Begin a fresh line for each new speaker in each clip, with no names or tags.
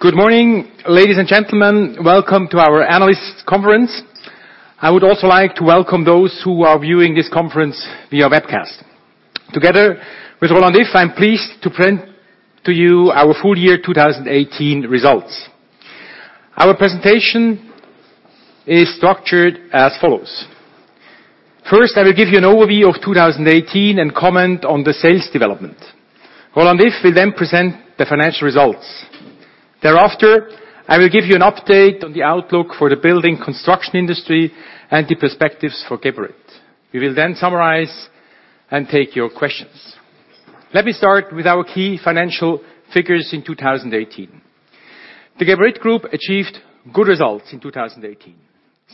Good morning, ladies and gentlemen. Welcome to our analyst conference. I would also like to welcome those who are viewing this conference via webcast. Together with Roland Iff, I am pleased to present to you our full year 2018 results. Our presentation is structured as follows. First, I will give you an overview of 2018 and comment on the sales development. Roland Iff will then present the financial results. Thereafter, I will give you an update on the outlook for the building construction industry and the perspectives for Geberit. We will then summarize and take your questions. Let me start with our key financial figures in 2018. The Geberit Group achieved good results in 2018.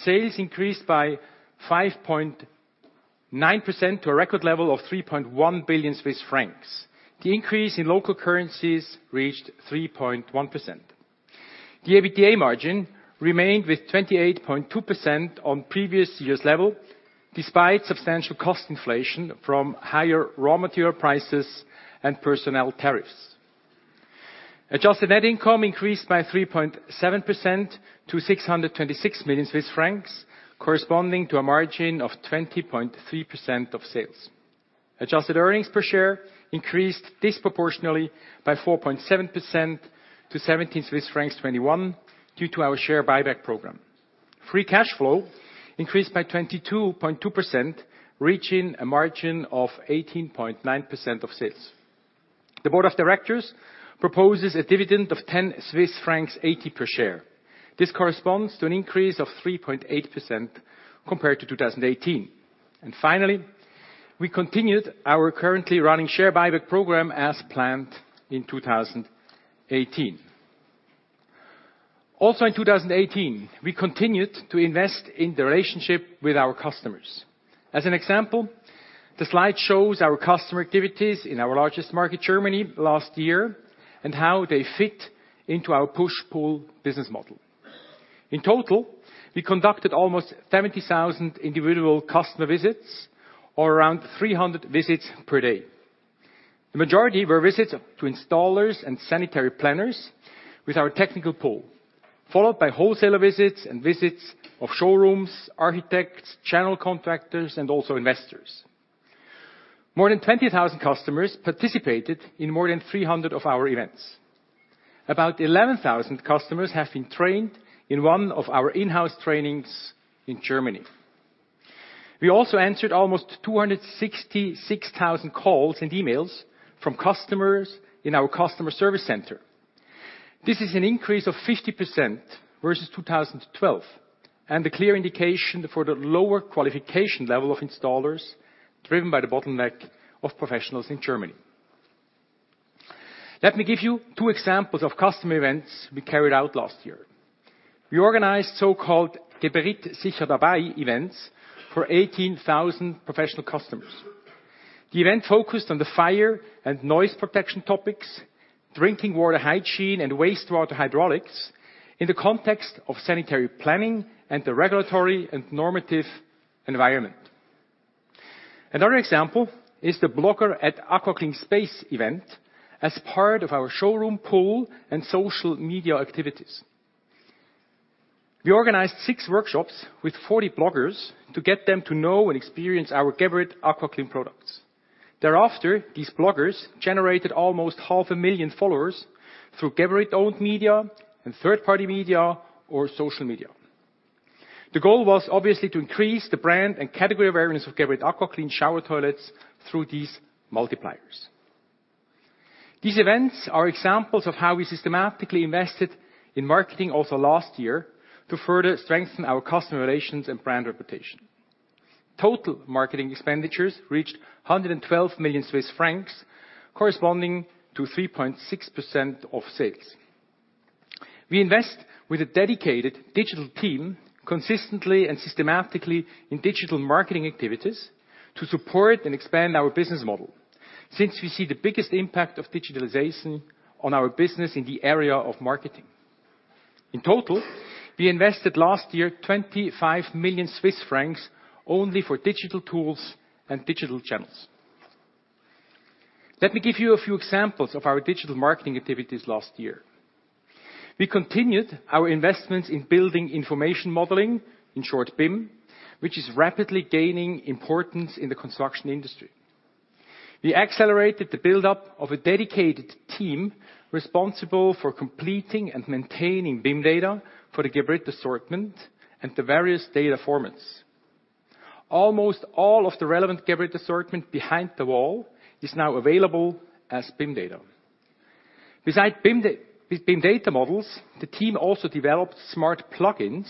Sales increased by 5.9% to a record level of 3.1 billion Swiss francs. The increase in local currencies reached 3.1%. The EBITDA margin remained with 28.2% on previous year's level, despite substantial cost inflation from higher raw material prices and personnel tariffs. Adjusted net income increased by 3.7% to 626 million Swiss francs, corresponding to a margin of 20.3% of sales. Adjusted earnings per share increased disproportionately by 4.7% to 17.21 Swiss francs due to our share buyback program. Free cash flow increased by 22.2%, reaching a margin of 18.9% of sales. The board of directors proposes a dividend of 10.80 Swiss francs per share. This corresponds to an increase of 3.8% compared to 2018. Finally, we continued our currently running share buyback program as planned in 2018. Also in 2018, we continued to invest in the relationship with our customers. As an example, the slide shows our customer activities in our largest market, Germany, last year, and how they fit into our push-pull business model. In total, we conducted almost 70,000 individual customer visits or around 300 visits per day. The majority were visits to installers and sanitary planners with our technical pull, followed by wholesaler visits and visits of showrooms, architects, channel contractors, and also investors. More than 20,000 customers participated in more than 300 of our events. About 11,000 customers have been trained in one of our in-house trainings in Germany. We also answered almost 266,000 calls and emails from customers in our customer service center. This is an increase of 50% versus 2012, and a clear indication for the lower qualification level of installers driven by the bottleneck of professionals in Germany. Let me give you two examples of customer events we carried out last year. We organized so-called Geberit Sicher Dabei events for 18,000 professional customers. The event focused on the fire and noise protection topics, drinking water hygiene, and wastewater hydraulics in the context of sanitary planning and the regulatory and normative environment. Another example is the Blogger@AquaCleanSpace event as part of our showroom pull and social media activities. We organized six workshops with 40 bloggers to get them to know and experience our Geberit AquaClean products. Thereafter, these bloggers generated almost half a million followers through Geberit-owned media and third-party media or social media. The goal was obviously to increase the brand and category awareness of Geberit AquaClean shower toilets through these multipliers. These events are examples of how we systematically invested in marketing also last year to further strengthen our customer relations and brand reputation. Total marketing expenditures reached 112 million Swiss francs, corresponding to 3.6% of sales. We invest with a dedicated digital team consistently and systematically in digital marketing activities to support and expand our business model. Since we see the biggest impact of digitalization on our business in the area of marketing. In total, we invested last year, 25 million Swiss francs only for digital tools and digital channels. Let me give you a few examples of our digital marketing activities last year. We continued our investments in building information modeling, in short, BIM, which is rapidly gaining importance in the construction industry. We accelerated the buildup of a dedicated team responsible for completing and maintaining BIM data for the Geberit assortment and the various data formats. Almost all of the relevant Geberit assortment behind the wall is now available as BIM data. Besides BIM data models, the team also developed smart plugins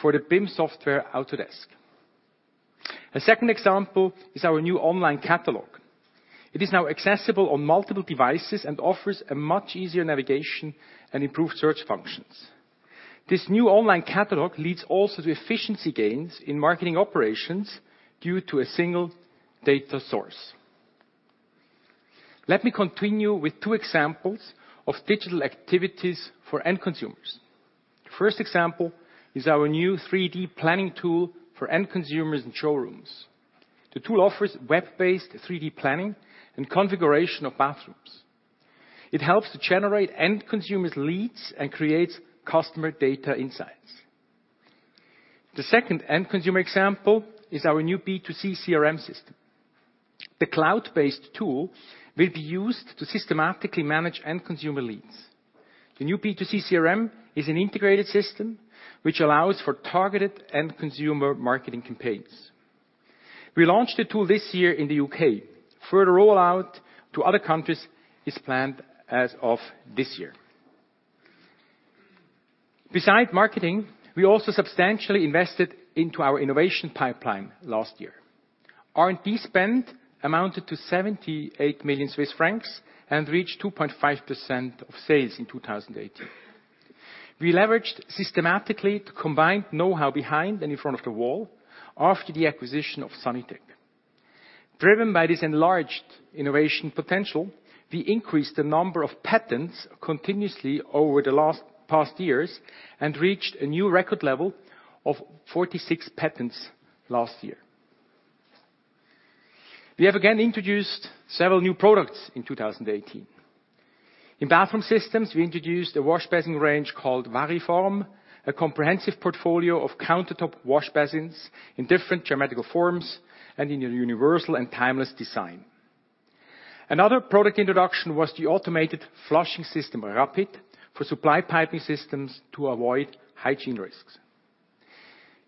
for the BIM software, Autodesk. A second example is our new online catalog. It is now accessible on multiple devices and offers a much easier navigation and improved search functions. This new online catalog leads also to efficiency gains in marketing operations due to a single data source. Let me continue with two examples of digital activities for end consumers. The first example is our new 3D planning tool for end consumers and showrooms. The tool offers web-based 3D planning and configuration of bathrooms. It helps to generate end consumers leads and creates customer data insights. The second end consumer example is our new B2C CRM system. The cloud-based tool will be used to systematically manage end consumer leads. The new B2C CRM is an integrated system, which allows for targeted end consumer marketing campaigns. We launched the tool this year in the U.K. Further rollout to other countries is planned as of this year. Besides marketing, we also substantially invested into our innovation pipeline last year. R&D spend amounted to 78 million Swiss francs and reached 2.5% of sales in 2018. We leveraged systematically the combined knowhow behind and in front of the wall after the acquisition of Sanitec. Driven by this enlarged innovation potential, we increased the number of patents continuously over the past years and reached a new record level of 46 patents last year. We have again introduced several new products in 2018. In Bathroom Systems, we introduced a washbasin range called VariForm, a comprehensive portfolio of countertop washbasins in different geometrical forms and in a universal and timeless design. Another product introduction was the automated flushing system, Rapid, for supply Piping Systems to avoid hygiene risks.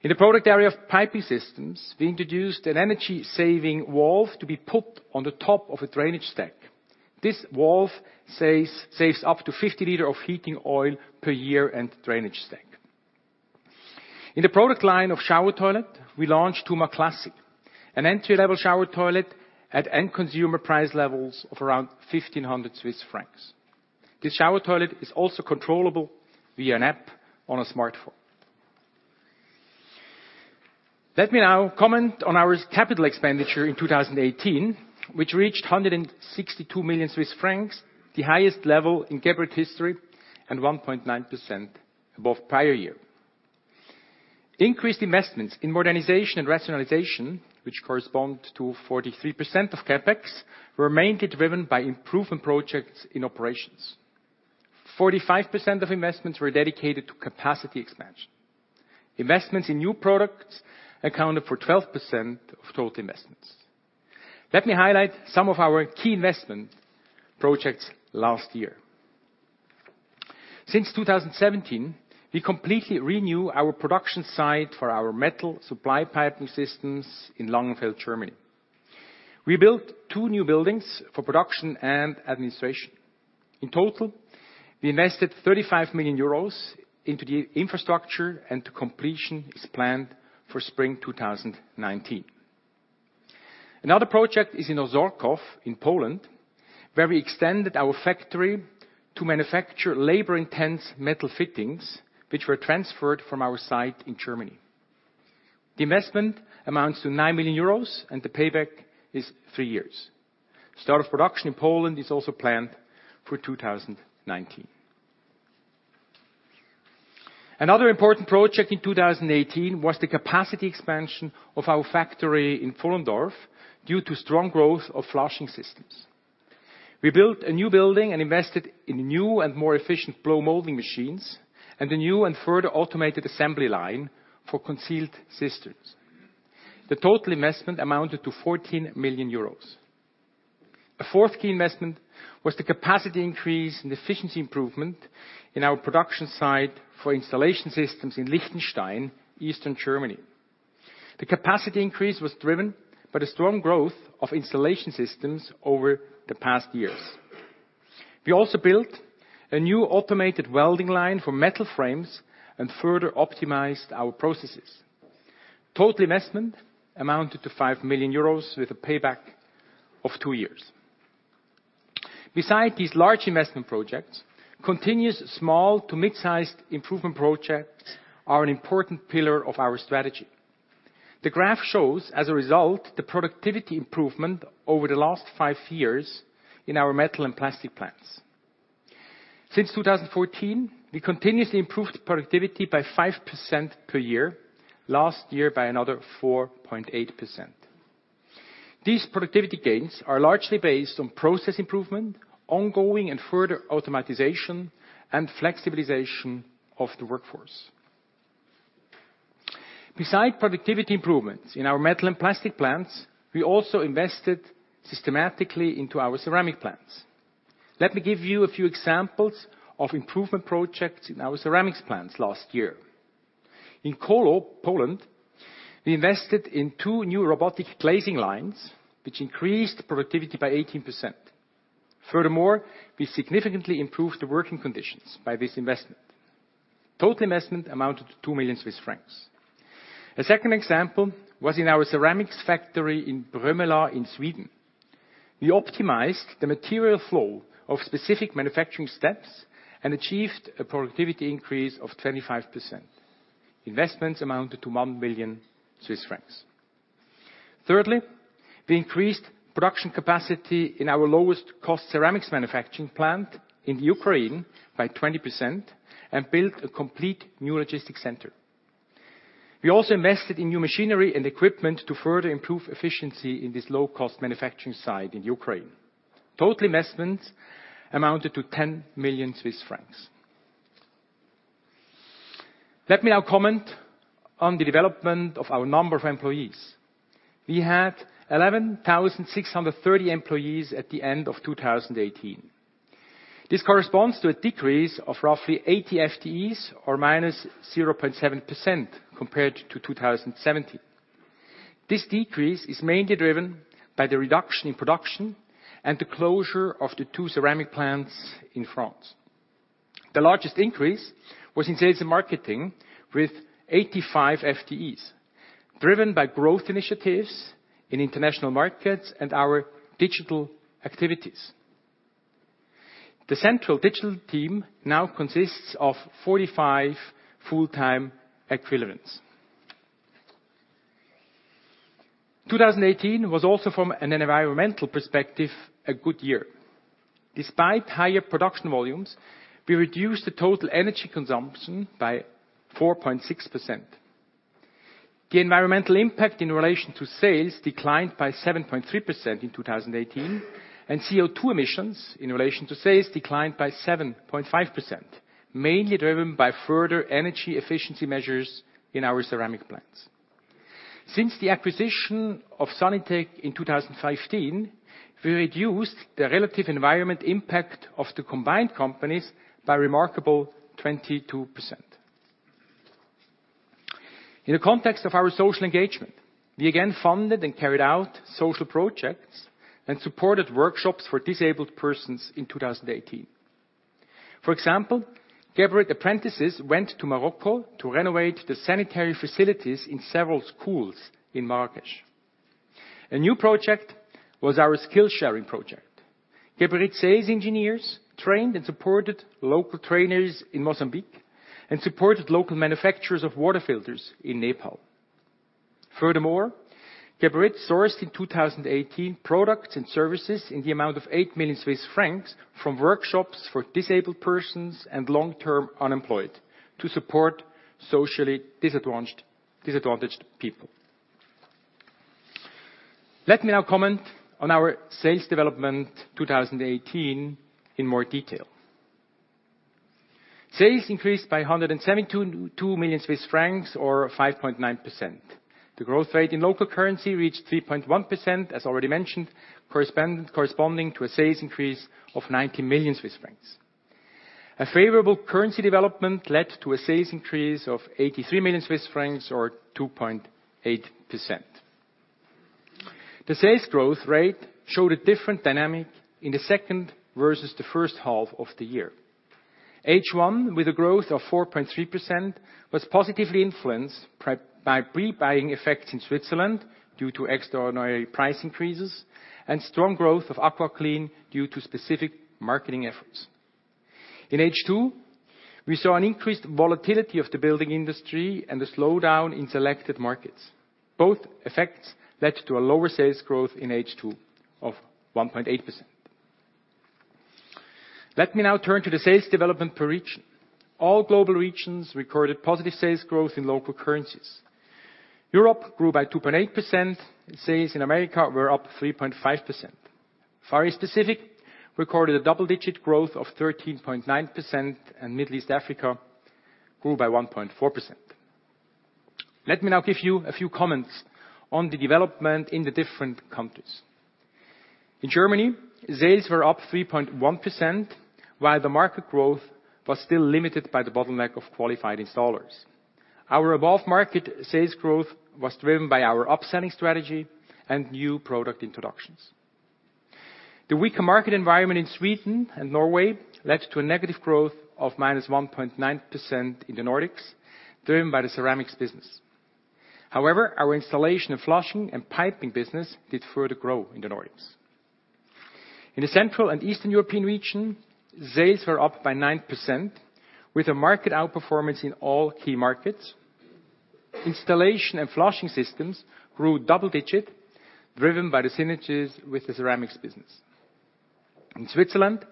In the product area of Piping Systems, we introduced an energy-saving valve to be put on the top of a drainage stack. This valve saves up to 50 liters of heating oil per year and drainage stack. In the product line of shower toilet, we launched Tuma Classic, an entry-level shower toilet at end consumer price levels of around 1,500 Swiss francs. This shower toilet is also controllable via an app on a smartphone. Let me now comment on our capital expenditure in 2018, which reached 162 million Swiss francs, the highest level in Geberit history and 1.9% above prior year. Increased investments in modernization and rationalization, which correspond to 43% of CapEx, were mainly driven by improvement projects in operations. 45% of investments were dedicated to capacity expansion. Investments in new products accounted for 12% of total investments. Let me highlight some of our key investment projects last year. Since 2017, we completely renew our production site for our metal supply Piping Systems in Langenfeld, Germany. We built two new buildings for production and administration. In total, we invested 35 million euros into the infrastructure, and completion is planned for spring 2019. Another project is in Ozorków in Poland, where we extended our factory to manufacture labor-intensive metal fittings, which were transferred from our site in Germany. The investment amounts to 9 million euros, and the payback is three years. Start of production in Poland is also planned for 2019. Another important project in 2018 was the capacity expansion of our factory in Pfullendorf due to strong growth of flushing systems. We built a new building and invested in new and more efficient blow molding machines and a new and further automated assembly line for concealed systems. The total investment amounted to 14 million euros. A fourth key investment was the capacity increase and efficiency improvement in our production site for installation systems in Lichtenstein, Eastern Germany. The capacity increase was driven by the strong growth of installation systems over the past years. We also built a new automated welding line for metal frames and further optimized our processes. Total investment amounted to 5 million euros with a payback of two years. Beside these large investment projects, continuous small to mid-sized improvement projects are an important pillar of our strategy. The graph shows, as a result, the productivity improvement over the last five years in our metal and plastic plants. Since 2014, we continuously improved productivity by 5% per year, last year by another 4.8%. These productivity gains are largely based on process improvement, ongoing and further automation, and flexibilization of the workforce. Beside productivity improvements in our metal and plastic plants, we also invested systematically into our ceramic plants. Let me give you a few examples of improvement projects in our ceramics plants last year. In Koło, Poland, we invested in two new robotic glazing lines, which increased productivity by 18%. Furthermore, we significantly improved the working conditions by this investment. Total investment amounted to 2 million Swiss francs. A second example was in our ceramics factory in Bromölla in Sweden. We optimized the material flow of specific manufacturing steps and achieved a productivity increase of 25%. Investments amounted to 1 million Swiss francs. Thirdly, we increased production capacity in our lowest-cost ceramics manufacturing plant in Ukraine by 20% and built a complete new logistic center. We also invested in new machinery and equipment to further improve efficiency in this low-cost manufacturing site in Ukraine. Total investments amounted to 10 million Swiss francs. Let me now comment on the development of our number of employees. We had 11,630 employees at the end of 2018. This corresponds to a decrease of roughly 80 FTEs, or -0.7% compared to 2017. This decrease is mainly driven by the reduction in production and the closure of the two ceramic plants in France. The largest increase was in sales and marketing with 85 FTEs, driven by growth initiatives in international markets and our digital activities. The central digital team now consists of 45 full-time equivalents. 2018 was also, from an environmental perspective, a good year. Despite higher production volumes, we reduced the total energy consumption by 4.6%. The environmental impact in relation to sales declined by 7.3% in 2018, and CO2 emissions in relation to sales declined by 7.5%, mainly driven by further energy efficiency measures in our ceramic plants. Since the acquisition of Sanitec in 2015, we reduced the relative environment impact of the combined companies by remarkable 22%. In the context of our social engagement, we again funded and carried out social projects and supported workshops for disabled persons in 2018. For example, Geberit apprentices went to Morocco to renovate the sanitary facilities in several schools in Marrakesh. A new project was our skill-sharing project. Geberit sales engineers trained and supported local trainers in Mozambique and supported local manufacturers of water filters in Nepal. Furthermore, Geberit sourced, in 2018, products and services in the amount of 8 million Swiss francs from workshops for disabled persons and long-term unemployed to support socially disadvantaged people. Let me now comment on our sales development 2018 in more detail. Sales increased by 172 million Swiss francs, or 5.9%. The growth rate in local currency reached 3.1%, as already mentioned, corresponding to a sales increase of 90 million Swiss francs. A favorable currency development led to a sales increase of 83 million Swiss francs, or 2.8%. The sales growth rate showed a different dynamic in the second versus the first half of the year. H1, with a growth of 4.3%, was positively influenced by pre-buying effects in Switzerland due to extraordinary price increases and strong growth of AquaClean due to specific marketing efforts. In H2, we saw an increased volatility of the building industry and the slowdown in selected markets. Both effects led to a lower sales growth in H2 of 1.8%. Let me now turn to the sales development per region. All global regions recorded positive sales growth in local currencies. Europe grew by 2.8%. Sales in America were up 3.5%. Far East Pacific recorded a double-digit growth of 13.9%, and Middle East Africa grew by 1.4%. Let me now give you a few comments on the development in the different countries. In Germany, sales were up 3.1%, while the market growth was still limited by the bottleneck of qualified installers. Our above-market sales growth was driven by our upselling strategy and new product introductions. The weaker market environment in Sweden and Norway led to a negative growth of -1.9% in the Nordics, driven by the ceramics business. However, our Installation and Flushing and Piping business did further grow in the Nordics. In the Central and Eastern European region, sales were up by 9% with a market outperformance in all key markets. Installation and Flushing Systems grew double digit, driven by the synergies with the ceramics business. In Switzerland,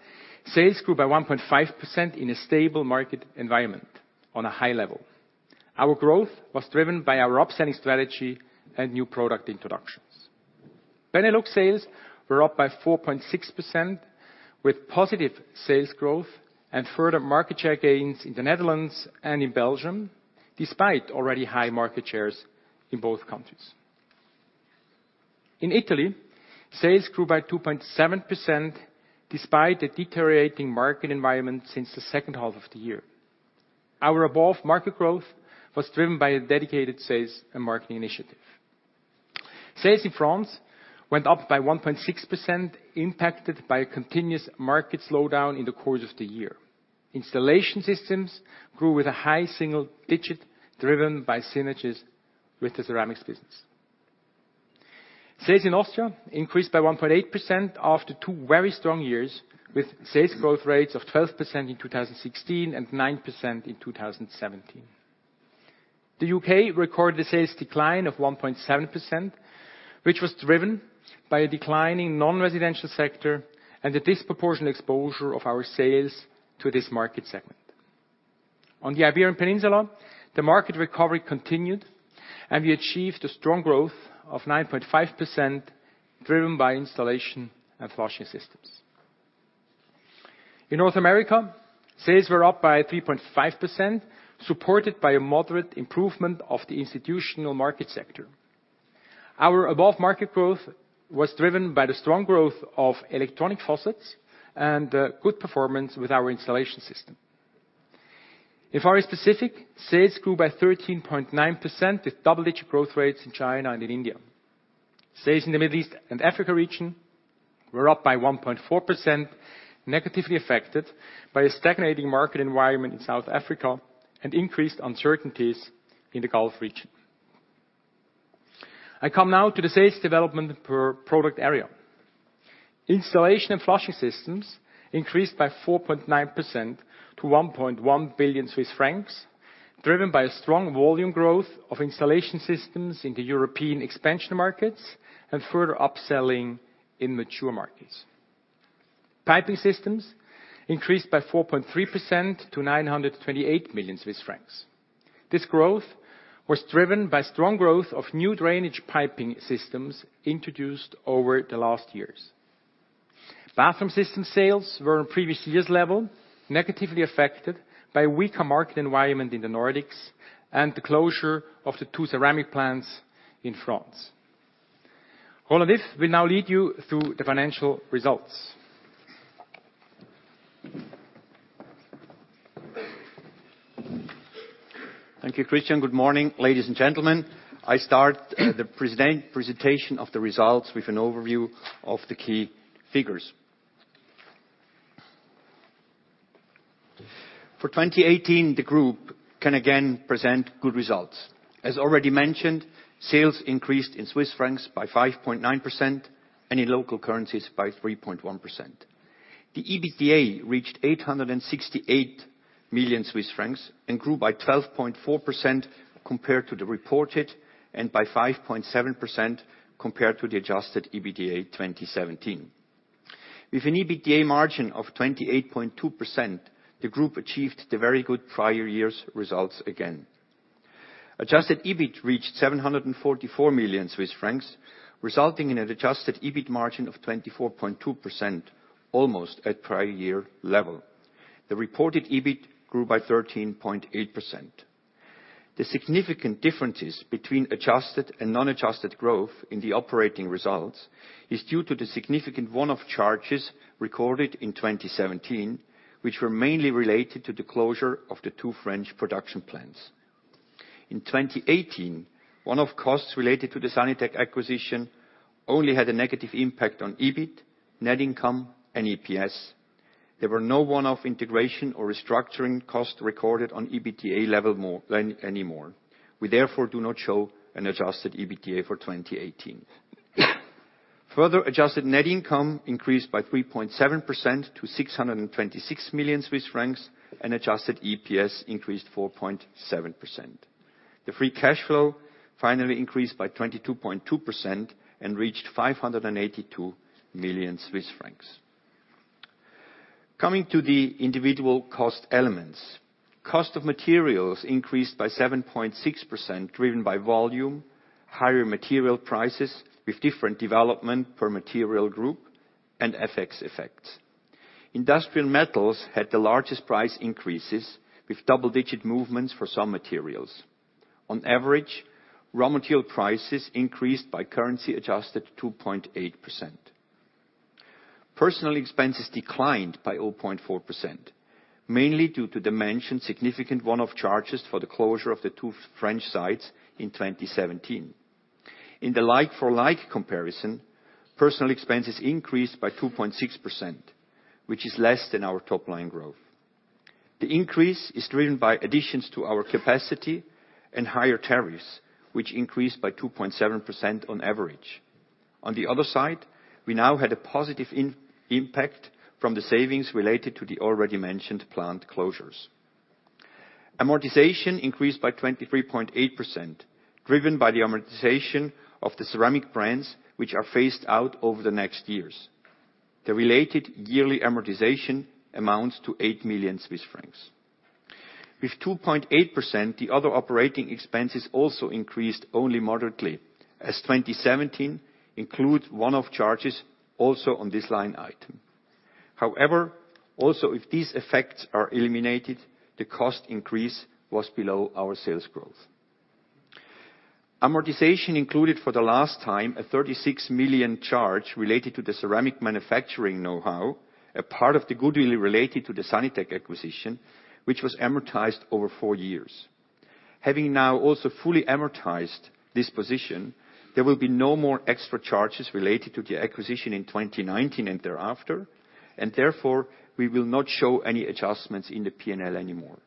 sales grew by 1.5% in a stable market environment on a high level. Our growth was driven by our upselling strategy and new product introductions. Benelux sales were up by 4.6% with positive sales growth and further market share gains in the Netherlands and in Belgium, despite already high market shares in both countries. In Italy, sales grew by 2.7% despite a deteriorating market environment since the second half of the year. Our above-market growth was driven by a dedicated sales and marketing initiative. Sales in France went up by 1.6%, impacted by a continuous market slowdown in the course of the year. Installation Systems grew with a high single digit, driven by synergies with the ceramics business. Sales in Austria increased by 1.8% after two very strong years, with sales growth rates of 12% in 2016 and 9% in 2017. The U.K. recorded a sales decline of 1.7%, which was driven by a decline in non-residential sector and the disproportionate exposure of our sales to this market segment. On the Iberian Peninsula, the market recovery continued, and we achieved a strong growth of 9.5%, driven by Installation and Flushing Systems. In North America, sales were up by 3.5%, supported by a moderate improvement of the institutional market sector. Our above-market growth was driven by the strong growth of electronic faucets and good performance with our installation system. In Far East Pacific, sales grew by 13.9% with double-digit growth rates in China and in India. Sales in the Middle East and Africa region were up by 1.4%, negatively affected by a stagnating market environment in South Africa and increased uncertainties in the Gulf region. I come now to the sales development per product area. Installation and Flushing Systems increased by 4.9% to 1.1 billion Swiss francs, driven by a strong volume growth of installation systems in the European expansion markets and further upselling in mature markets. Piping Systems increased by 4.3% to 928 million Swiss francs. This growth was driven by strong growth of new drainage piping systems introduced over the last years. Bathroom Systems sales were on previous year's level, negatively affected by weaker market environment in the Nordics and the closure of the two ceramic plants in France. Roland Iff will now lead you through the financial results.
Thank you, Christian. Good morning, ladies and gentlemen. I start the presentation of the results with an overview of the key figures. For 2018, the group can again present good results. As already mentioned, sales increased in CHF by 5.9%, and in local currencies by 3.1%. The EBITDA reached 868 million Swiss francs and grew by 12.4% compared to the reported, and by 5.7% compared to the adjusted EBITDA 2017. With an EBITDA margin of 28.2%, the group achieved the very good prior year's results again. Adjusted EBIT reached 744 million Swiss francs, resulting in an adjusted EBIT margin of 24.2%, almost at prior year level. The reported EBIT grew by 13.8%. The significant differences between adjusted and non-adjusted growth in the operating results is due to the significant one-off charges recorded in 2017, which were mainly related to the closure of the two French production plants. In 2018, one-off costs related to the Sanitec acquisition only had a negative impact on EBIT, net income, and EPS. There were no one-off integration or restructuring costs recorded on EBITDA level anymore. We therefore do not show an adjusted EBITDA for 2018. Further adjusted net income increased by 3.7% to 626 million Swiss francs and adjusted EPS increased 4.7%. The free cash flow finally increased by 22.2% and reached 582 million Swiss francs. Coming to the individual cost elements, cost of materials increased by 7.6%, driven by volume, higher material prices with different development per material group, and FX effects. Industrial metals had the largest price increases, with double-digit movements for some materials. On average, raw material prices increased by currency-adjusted 2.8%. Personnel expenses declined by 0.4%, mainly due to the mentioned significant one-off charges for the closure of the two French sites in 2017. In the like-for-like comparison, personnel expenses increased by 2.6%, which is less than our top-line growth. The increase is driven by additions to our capacity and higher tariffs, which increased by 2.7% on average. On the other side, we now had a positive impact from the savings related to the already mentioned plant closures. Amortization increased by 23.8%, driven by the amortization of the ceramic brands, which are phased out over the next years. The related yearly amortization amounts to 8 million Swiss francs. With 2.8%, the other operating expenses also increased only moderately, as 2017 includes one-off charges also on this line item. However, also if these effects are eliminated, the cost increase was below our sales growth. Amortization included for the last time a 36 million charge related to the ceramic manufacturing knowhow, a part of the goodwill related to the Sanitec acquisition, which was amortized over four years. Having now also fully amortized this position, there will be no more extra charges related to the acquisition in 2019 and thereafter, and therefore, we will not show any adjustments in the P&L anymore.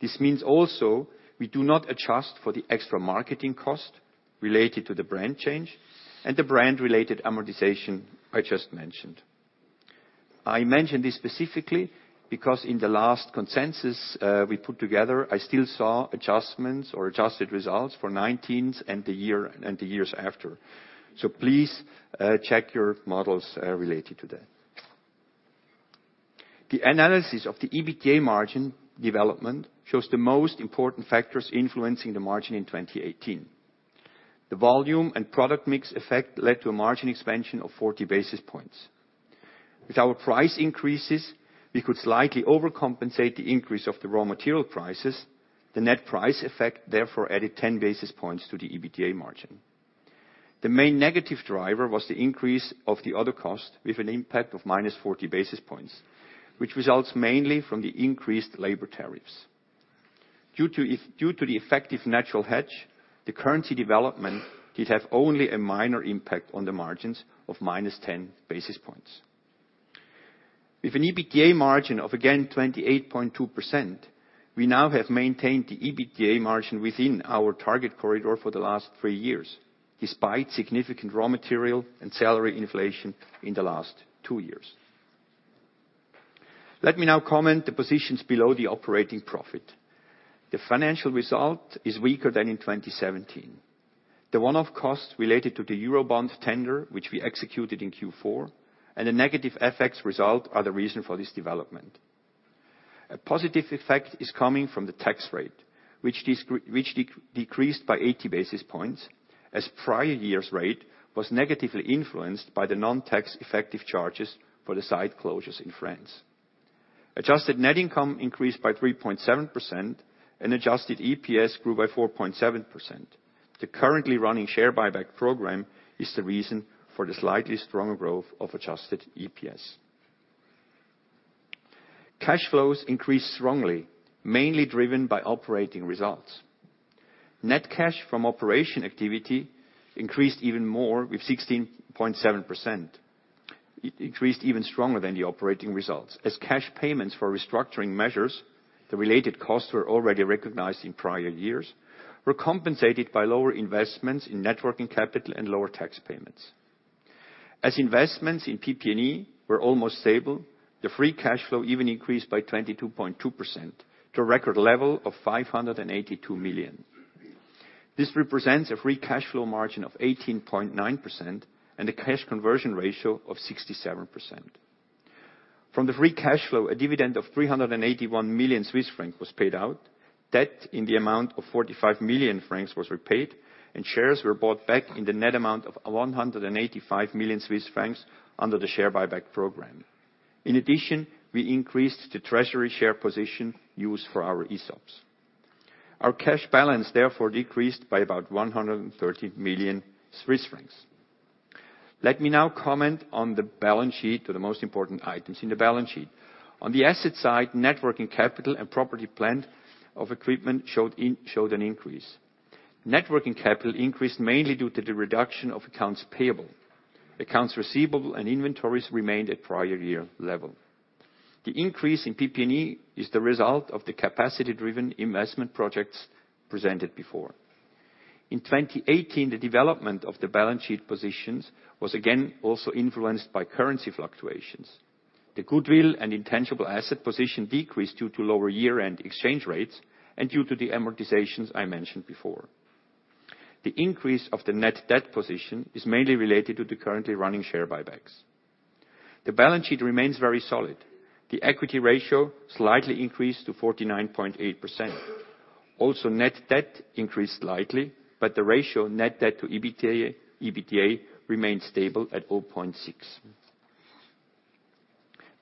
This means also we do not adjust for the extra marketing cost related to the brand change and the brand-related amortization I just mentioned. I mentioned this specifically because in the last consensus we put together, I still saw adjustments or adjusted results for 2019 and the years after. Please check your models related to that. The analysis of the EBITDA margin development shows the most important factors influencing the margin in 2018. The volume and product mix effect led to a margin expansion of 40 basis points. With our price increases, we could slightly overcompensate the increase of the raw material prices. The net price effect therefore added 10 basis points to the EBITDA margin. The main negative driver was the increase of the other cost with an impact of minus 40 basis points, which results mainly from the increased labor tariffs. Due to the effective natural hedge, the currency development did have only a minor impact on the margins of minus 10 basis points. With an EBITDA margin of, again, 28.2%, we now have maintained the EBITDA margin within our target corridor for the last three years, despite significant raw material and salary inflation in the last two years. Let me now comment the positions below the operating profit. The financial result is weaker than in 2017. The one-off costs related to the Eurobond tender, which we executed in Q4, and the negative FX result are the reason for this development. A positive effect is coming from the tax rate, which decreased by 80 basis points as prior year's rate was negatively influenced by the non-tax effective charges for the site closures in France. Adjusted net income increased by 3.7%, and adjusted EPS grew by 4.7%. The currently running share buyback program is the reason for the slightly stronger growth of adjusted EPS. Cash flows increased strongly, mainly driven by operating results. Net cash from operation activity increased even more with 16.7%. It increased even stronger than the operating results. As cash payments for restructuring measures, the related costs were already recognized in prior years, were compensated by lower investments in net working capital and lower tax payments. As investments in PP&E were almost stable, the free cash flow even increased by 22.2% to a record level of 582 million. This represents a free cash flow margin of 18.9% and a cash conversion ratio of 67%. From the free cash flow, a dividend of 381 million Swiss francs was paid out, debt in the amount of 45 million francs was repaid, and shares were bought back in the net amount of 185 million Swiss francs under the share buyback program. In addition, we increased the treasury share position used for our ESOPs. Our cash balance therefore decreased by about 130 million Swiss francs. Let me now comment on the balance sheet or the most important items in the balance sheet. On the asset side, net working capital and property plant of equipment showed an increase. Net working capital increased mainly due to the reduction of accounts payable. Accounts receivable and inventories remained at prior year level. The increase in PP&E is the result of the capacity-driven investment projects presented before. In 2018, the development of the balance sheet positions was again also influenced by currency fluctuations. The goodwill and intangible asset position decreased due to lower year-end exchange rates and due to the amortizations I mentioned before. The increase of the net debt position is mainly related to the currently running share buybacks. The balance sheet remains very solid. The equity ratio slightly increased to 49.8%. Also, net debt increased slightly, but the ratio net debt to EBITDA remains stable at 0.6.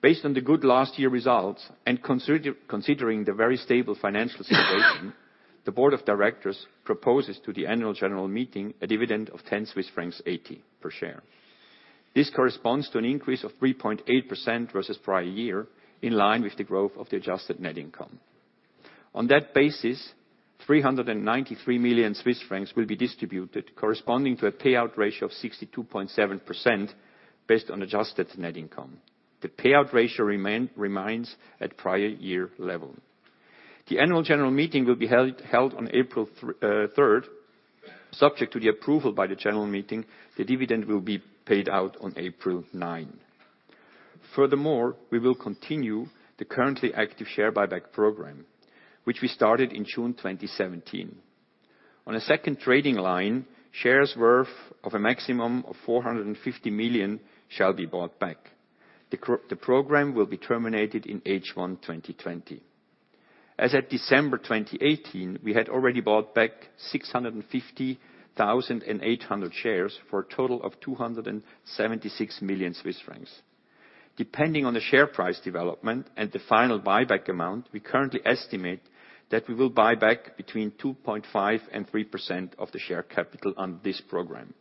Based on the good last year results and considering the very stable financial situation, the board of directors proposes to the annual general meeting a dividend of 10.80 Swiss francs per share. This corresponds to an increase of 3.8% versus prior year, in line with the growth of the adjusted net income. On that basis, 393 million Swiss francs will be distributed, corresponding to a payout ratio of 62.7% based on adjusted net income. The payout ratio remains at prior year level. The annual general meeting will be held on April 3rd. Subject to the approval by the general meeting, the dividend will be paid out on April 9. Furthermore, we will continue the currently active share buyback program, which we started in June 2017. On a second trading line, shares worth of a maximum of 450 million shall be bought back. The program will be terminated in H1 2020. As at December 2018, we had already bought back 650,800 shares for a total of 276 million Swiss francs. Depending on the share price development and the final buyback amount, we currently estimate that we will buy back between 2.5%-3% of the share capital on this program.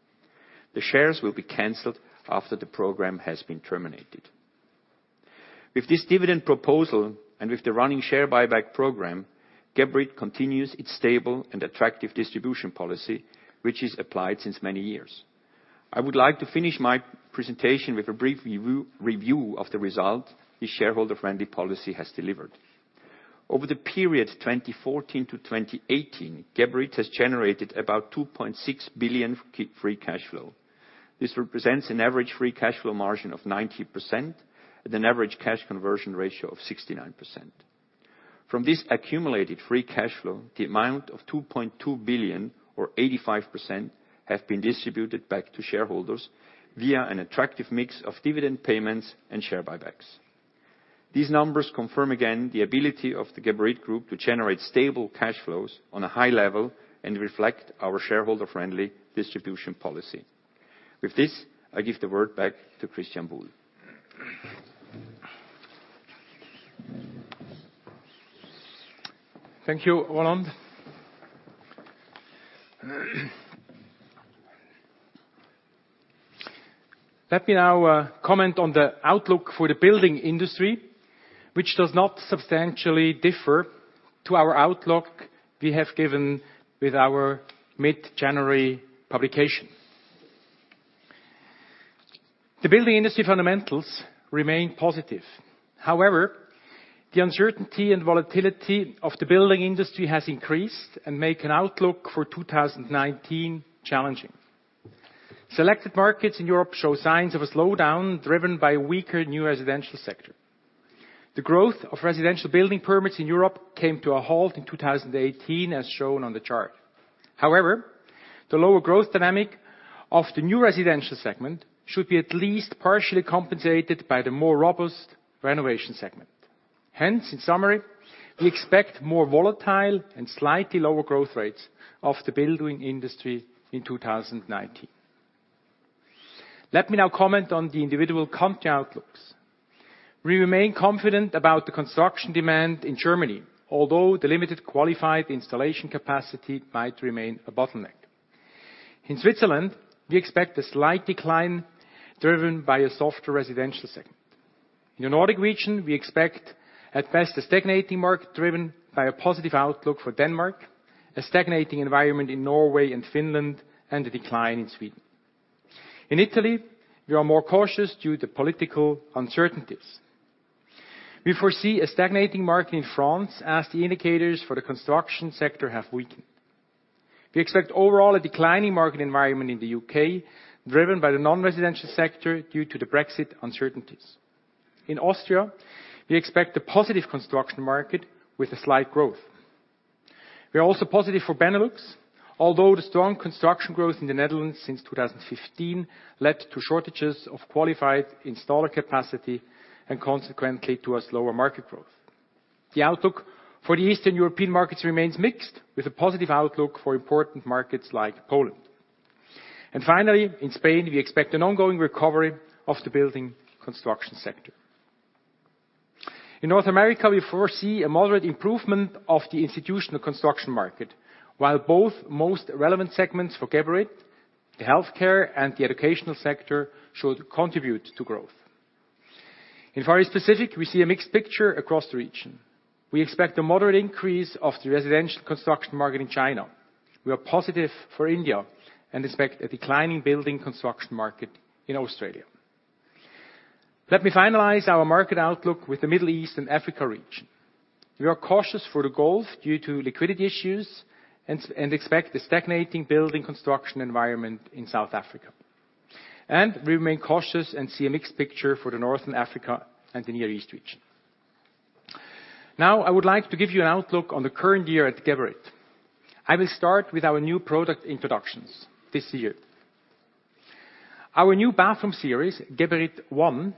The shares will be canceled after the program has been terminated. With this dividend proposal and with the running share buyback program, Geberit continues its stable and attractive distribution policy, which is applied since many years. I would like to finish my presentation with a brief review of the result the shareholder-friendly policy has delivered. Over the period 2014 to 2018, Geberit has generated about 2.6 billion free cash flow. This represents an average free cash flow margin of 90% and an average cash conversion ratio of 69%. From this accumulated free cash flow, the amount of 2.2 billion or 85% have been distributed back to shareholders via an attractive mix of dividend payments and share buybacks. These numbers confirm again the ability of the Geberit Group to generate stable cash flows on a high level and reflect our shareholder-friendly distribution policy. With this, I give the word back to Christian Buhl.
Thank you, Roland. Let me now comment on the outlook for the building industry, which does not substantially differ to our outlook we have given with our mid-January publication. The building industry fundamentals remain positive. The uncertainty and volatility of the building industry has increased and make an outlook for 2019 challenging. Selected markets in Europe show signs of a slowdown driven by weaker new residential sector. The growth of residential building permits in Europe came to a halt in 2018, as shown on the chart. The lower growth dynamic of the new residential segment should be at least partially compensated by the more robust renovation segment. In summary, we expect more volatile and slightly lower growth rates of the building industry in 2019. Let me now comment on the individual country outlooks. We remain confident about the construction demand in Germany, although the limited qualified installation capacity might remain a bottleneck. In Switzerland, we expect a slight decline driven by a softer residential segment. In the Nordic region, we expect at best a stagnating market driven by a positive outlook for Denmark, a stagnating environment in Norway and Finland, and a decline in Sweden. In Italy, we are more cautious due to political uncertainties. We foresee a stagnating market in France as the indicators for the construction sector have weakened. We expect overall a declining market environment in the U.K. driven by the non-residential sector due to the Brexit uncertainties. In Austria, we expect a positive construction market with a slight growth. We are also positive for Benelux, although the strong construction growth in the Netherlands since 2015 led to shortages of qualified installer capacity and consequently to a slower market growth. The outlook for the Eastern European markets remains mixed, with a positive outlook for important markets like Poland. Finally, in Spain, we expect an ongoing recovery of the building construction sector. In North America, we foresee a moderate improvement of the institutional construction market, while both most relevant segments for Geberit, the healthcare and the educational sector, should contribute to growth. In Far East Pacific, we see a mixed picture across the region. We expect a moderate increase of the residential construction market in China. We are positive for India and expect a decline in building construction market in Australia. Let me finalize our market outlook with the Middle East and Africa region. We are cautious for the Gulf due to liquidity issues and expect the stagnating building construction environment in South Africa. We remain cautious and see a mixed picture for the Northern Africa and the Near East region. I would like to give you an outlook on the current year at Geberit. I will start with our new product introductions this year. Our new bathroom series, Geberit ONE,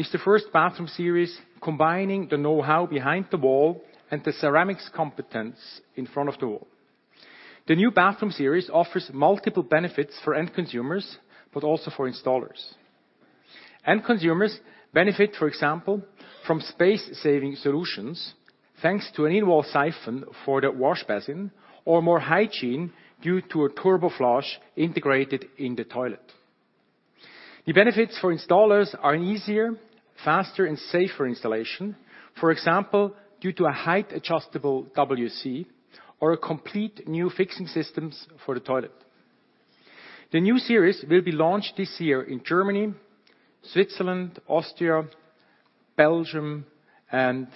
is the first bathroom series combining the know-how behind the wall and the ceramics competence in front of the wall. The new bathroom series offers multiple benefits for end consumers, but also for installers. End consumers benefit, for example, from space-saving solutions, thanks to an in-wall siphon for the washbasin or more hygiene due to a turbo flush integrated in the toilet. The benefits for installers are an easier, faster, and safer installation. For example, due to a height-adjustable WC or a complete new fixing systems for the toilet. The new series will be launched this year in Germany, Switzerland, Austria, Belgium, and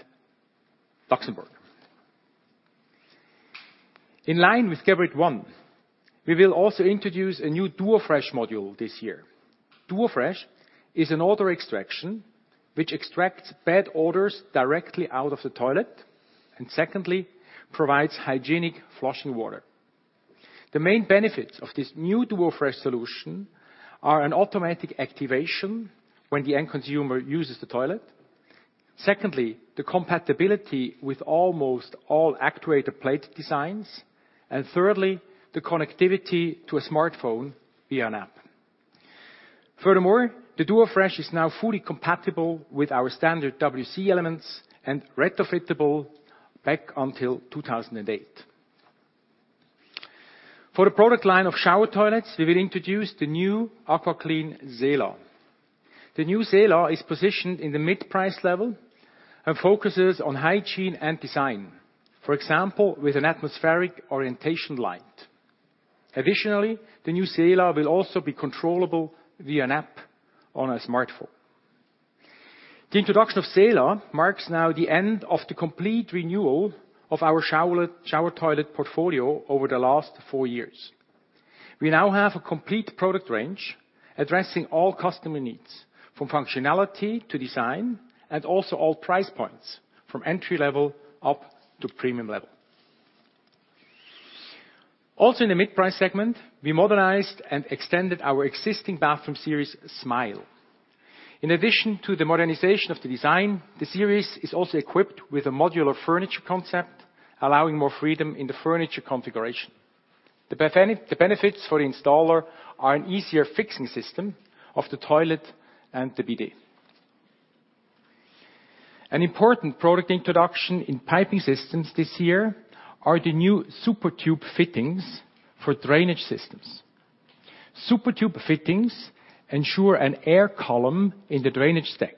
Luxembourg. In line with Geberit ONE, we will also introduce a new DuoFresh module this year. DuoFresh is an odor extraction which extracts bad odors directly out of the toilet, and secondly, provides hygienic flushing water. The main benefits of this new DuoFresh solution are an automatic activation when the end consumer uses the toilet. Secondly, the compatibility with almost all actuator plate designs. Thirdly, the connectivity to a smartphone via an app. Furthermore, the DuoFresh is now fully compatible with our standard WC elements and retrofittable back until 2008. For the product line of shower toilets, we will introduce the new AquaClean Sela. The new Sela is positioned in the mid-price level and focuses on hygiene and design. For example, with an atmospheric orientation light. Additionally, the new Sela will also be controllable via an app on a smartphone. The introduction of Sela marks now the end of the complete renewal of our shower toilet portfolio over the last four years. We now have a complete product range addressing all customer needs, from functionality to design, and also all price points, from entry-level up to premium level. Also in the mid-price segment, we modernized and extended our existing bathroom series Smyle. In addition to the modernization of the design, the series is also equipped with a modular furniture concept, allowing more freedom in the furniture configuration. The benefits for the installer are an easier fixing system of the toilet and the bidet. An important product introduction in Piping Systems this year are the new SuperTube fittings for drainage systems. SuperTube fittings ensure an air column in the drainage stack.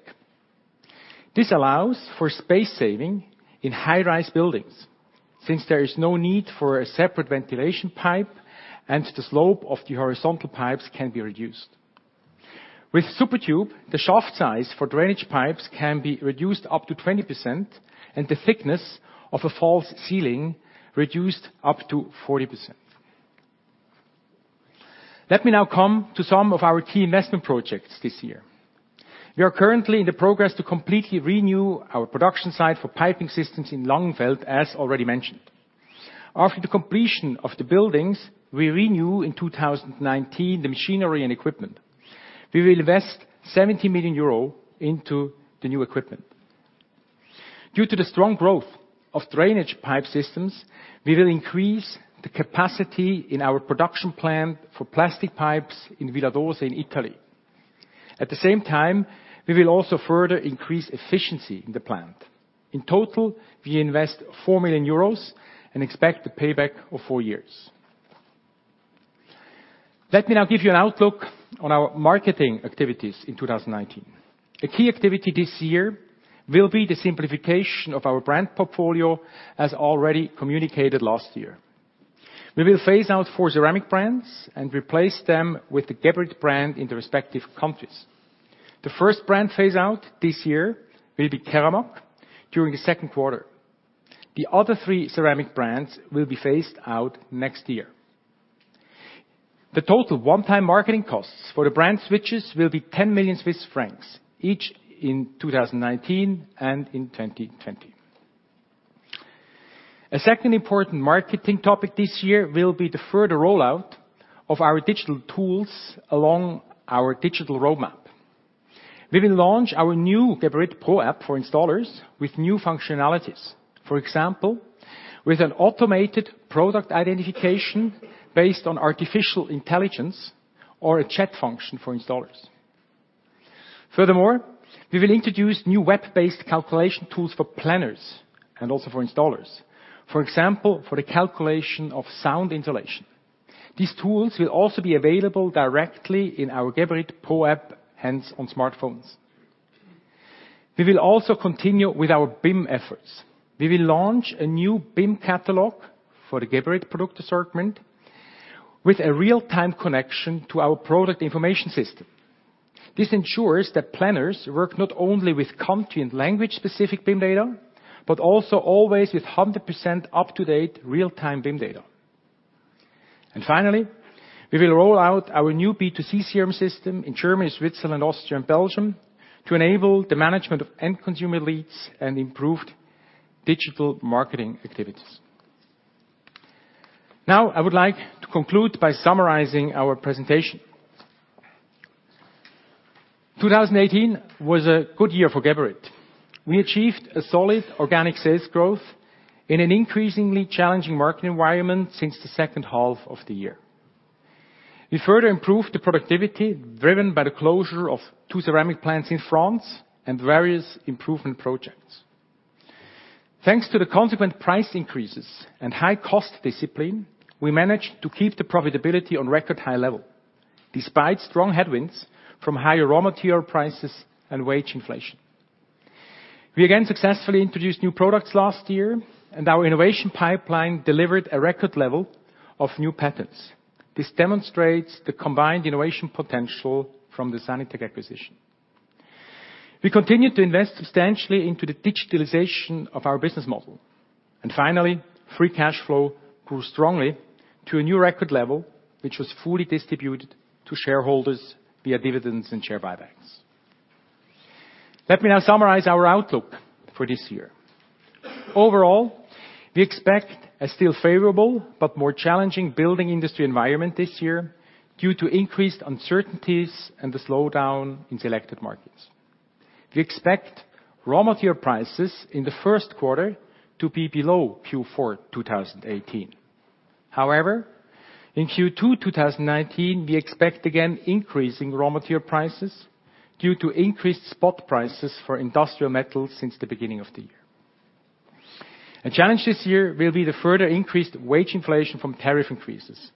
This allows for space saving in high-rise buildings, since there is no need for a separate ventilation pipe and the slope of the horizontal pipes can be reduced. With SuperTube, the shaft size for drainage pipes can be reduced up to 20% and the thickness of a false ceiling reduced up to 40%. Let me now come to some of our key investment projects this year. We are currently in the process to completely renew our production site for Piping Systems in Langenfeld, as already mentioned. After the completion of the buildings, we renew in 2019 the machinery and equipment. We will invest 70 million euro into the new equipment. Due to the strong growth of drainage pipe systems, we will increase the capacity in our production plant for plastic pipes in Villadose in Italy. At the same time, we will also further increase efficiency in the plant. In total, we invest 4 million euros and expect the payback of four years. Let me now give you an outlook on our marketing activities in 2019. A key activity this year will be the simplification of our brand portfolio, as already communicated last year. We will phase out four ceramic brands and replace them with the Geberit brand in the respective countries. The first brand phase-out this year will be Keramag during the second quarter. The other three ceramic brands will be phased out next year. The total one-time marketing costs for the brand switches will be 10 million Swiss francs, each in 2019 and in 2020. A second important marketing topic this year will be the further rollout of our digital tools along our digital roadmap. We will launch our new Geberit Pro app for installers with new functionalities. For example, with an automated product identification based on artificial intelligence or a chat function for installers. Furthermore, we will introduce new web-based calculation tools for planners and also for installers. For example, for the calculation of sound insulation. These tools will also be available directly in our Geberit Pro app, hence on smartphones. We will also continue with our BIM efforts. We will launch a new BIM catalog for the Geberit product assortment with a real-time connection to our product information system. This ensures that planners work not only with country and language-specific BIM data, but also always with 100% up-to-date real-time BIM data. Finally, we will roll out our new B2C CRM system in Germany, Switzerland, Austria, and Belgium to enable the management of end-consumer leads and improved digital marketing activities. I would like to conclude by summarizing our presentation. 2018 was a good year for Geberit. We achieved a solid organic sales growth in an increasingly challenging market environment since the second half of the year. We further improved the productivity driven by the closure of two ceramic plants in France and various improvement projects. Thanks to the consequent price increases and high cost discipline, we managed to keep the profitability on record high level, despite strong headwinds from higher raw material prices and wage inflation. We again successfully introduced new products last year, and our innovation pipeline delivered a record level of new patents. This demonstrates the combined innovation potential from the Sanitec acquisition. We continued to invest substantially into the digitalization of our business model. Finally, free cash flow grew strongly to a new record level, which was fully distributed to shareholders via dividends and share buybacks. Let me now summarize our outlook for this year. Overall, we expect a still favorable but more challenging building industry environment this year due to increased uncertainties and the slowdown in selected markets. We expect raw material prices in the first quarter to be below Q4 2018. However, in Q2 2019, we expect again increasing raw material prices due to increased spot prices for industrial metals since the beginning of the year. A challenge this year will be the further increased wage inflation from tariff increases.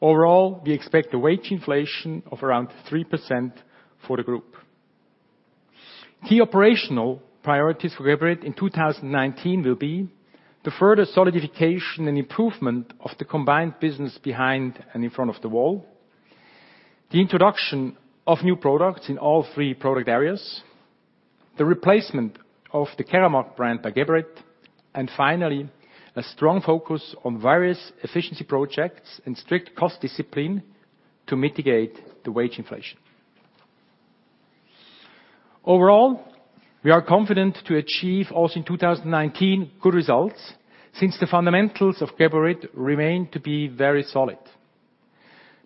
Overall, we expect a wage inflation of around 3% for the group. Key operational priorities for Geberit in 2019 will be the further solidification and improvement of the combined business behind and in front of the wall, the introduction of new products in all three product areas, the replacement of the Keramag brand by Geberit, finally, a strong focus on various efficiency projects and strict cost discipline to mitigate the wage inflation. Overall, we are confident to achieve, also in 2019, good results since the fundamentals of Geberit remain to be very solid.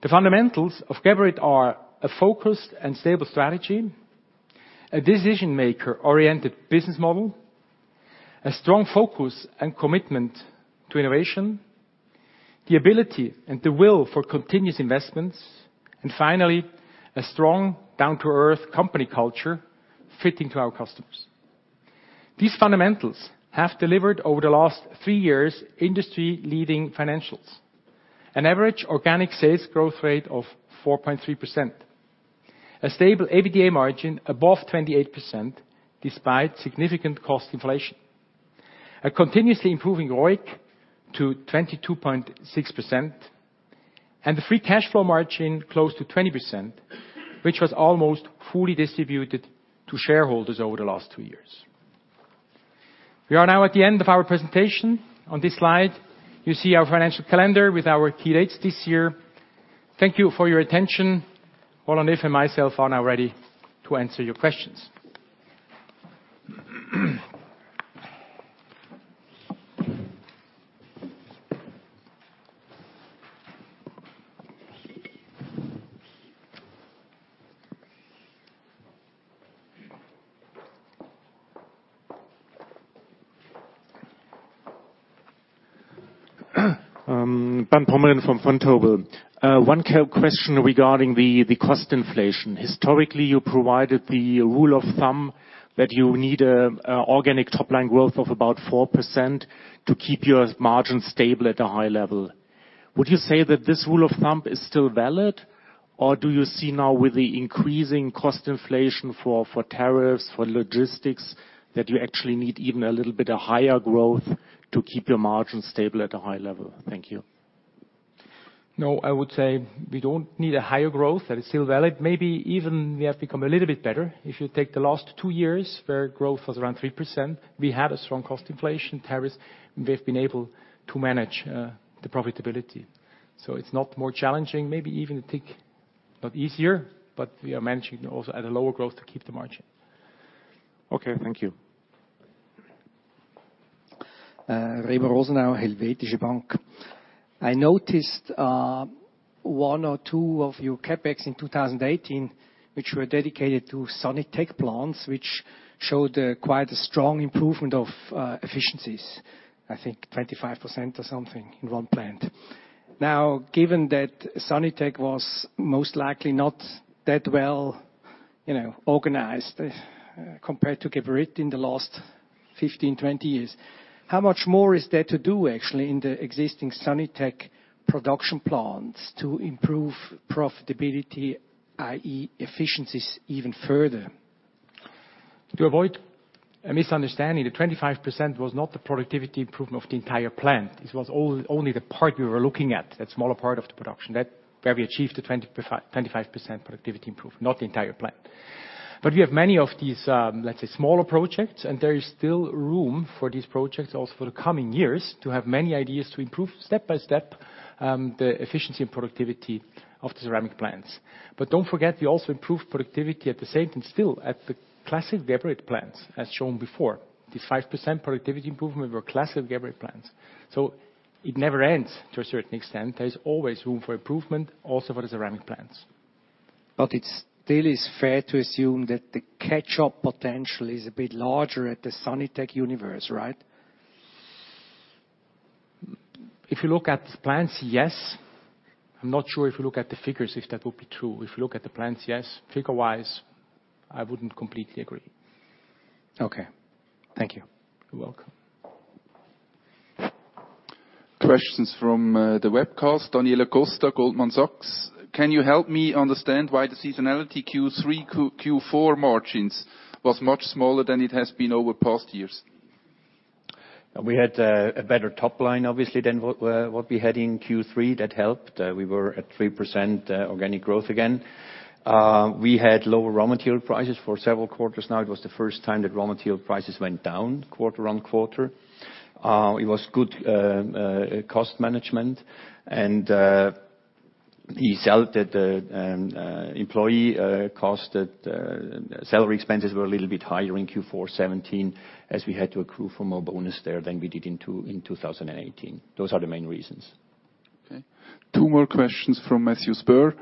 The fundamentals of Geberit are a focused and stable strategy, a decision-maker-oriented business model, a strong focus and commitment to innovation, the ability and the will for continuous investments, and finally, a strong down-to-earth company culture fitting to our customers. These fundamentals have delivered, over the last three years, industry-leading financials. An average organic sales growth rate of 4.3%. A stable EBITDA margin above 28%, despite significant cost inflation. A continuously improving ROIC to 22.6%. The free cash flow margin close to 20%, which was almost fully distributed to shareholders over the last two years. We are now at the end of our presentation. On this slide, you see our financial calendar with our key dates this year. Thank you for your attention. Roland Iff and myself are now ready to answer your questions.
Bernd Pomrehn from Vontobel. One question regarding the cost inflation. Historically, you provided the rule of thumb that you need organic top-line growth of about 4% to keep your margin stable at a high level. Would you say that this rule of thumb is still valid, or do you see now with the increasing cost inflation for tariffs, for logistics, that you actually need even a little bit of higher growth to keep your margins stable at a high level? Thank you.
No, I would say we don't need a higher growth. That is still valid. Maybe even we have become a little bit better. If you take the last two years, where growth was around 3%, we had a strong cost inflation, tariffs, we've been able to manage the profitability. It's not more challenging, maybe even a tick easier, but we are managing also at a lower growth to keep the margin.
Okay, thank you.
Remo Rosenau, Helvetische Bank. I noticed one or two of your CapEx in 2018, which were dedicated to Sanitec plants, which showed quite a strong improvement of efficiencies. I think 25% or something in one plant. Given that Sanitec was most likely not that well organized compared to Geberit in the last 15, 20 years, how much more is there to do, actually, in the existing Sanitec production plants to improve profitability, i.e. efficiencies even further?
To avoid a misunderstanding, the 25% was not the productivity improvement of the entire plant. This was only the part we were looking at, that smaller part of the production, where we achieved the 25% productivity improvement, not the entire plant. We have many of these, let's say, smaller projects, and there is still room for these projects also for the coming years to have many ideas to improve, step by step, the efficiency and productivity of the ceramic plants. Don't forget, we also improved productivity at the same time still at the classic Geberit plants, as shown before. This 5% productivity improvement were classic Geberit plants. It never ends to a certain extent. There is always room for improvement, also for the ceramic plants.
It still is fair to assume that the catch-up potential is a bit larger at the Sanitec universe, right?
If you look at plants, yes. I'm not sure if you look at the figures if that would be true. If you look at the plants, yes. Figure-wise, I wouldn't completely agree.
Okay. Thank you.
You're welcome.
Questions from the webcast. Daniela Costa, Goldman Sachs. Can you help me understand why the seasonality Q3/Q4 margins was much smaller than it has been over past years?
We had a better top line, obviously, than what we had in Q3. That helped. We were at 3% organic growth again. We had lower raw material prices for several quarters now. It was the first time that raw material prices went down quarter-on-quarter. It was good cost management, and we felt that employee cost, that salary expenses were a little bit higher in Q4 2017 as we had to accrue for more bonus there than we did in 2018. Those are the main reasons.
Okay. Two more questions from Matthew Spurr.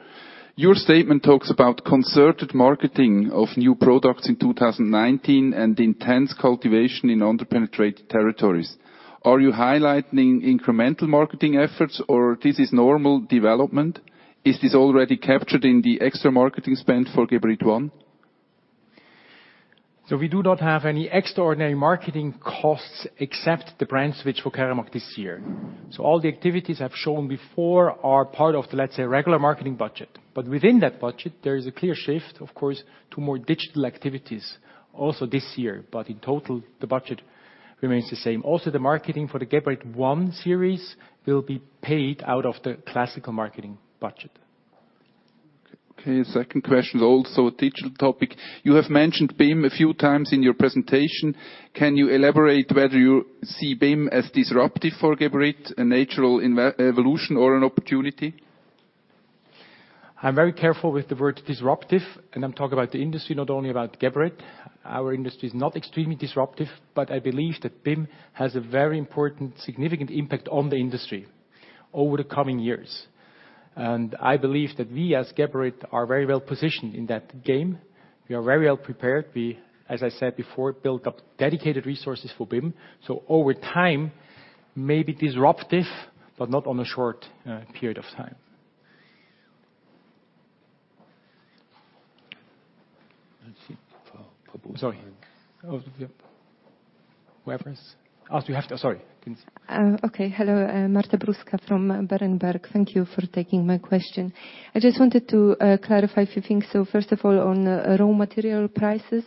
Your statement talks about concerted marketing of new products in 2019 and intense cultivation in under-penetrated territories. Are you highlighting incremental marketing efforts or this is normal development? Is this already captured in the extra marketing spend for Geberit ONE?
We do not have any extraordinary marketing costs except the brand switch for Keramag this year. All the activities I've shown before are part of the, let's say, regular marketing budget. Within that budget, there is a clear shift, of course, to more digital activities also this year. In total, the budget remains the same. Also, the marketing for the Geberit ONE series will be paid out of the classical marketing budget.
Okay, second question, also a digital topic. You have mentioned BIM a few times in your presentation. Can you elaborate whether you see BIM as disruptive for Geberit, a natural evolution, or an opportunity?
I'm very careful with the word disruptive, and I'm talking about the industry, not only about Geberit. Our industry is not extremely disruptive, but I believe that BIM has a very important, significant impact on the industry over the coming years. I believe that we, as Geberit, are very well positioned in that game. We are very well prepared. We, as I said before, built up dedicated resources for BIM. Over time, maybe disruptive, but not on a short period of time. Sorry. Sorry.
Okay. Hello, Marta Bruska from Berenberg. Thank you for taking my question. I just wanted to clarify a few things. First of all, on raw material prices.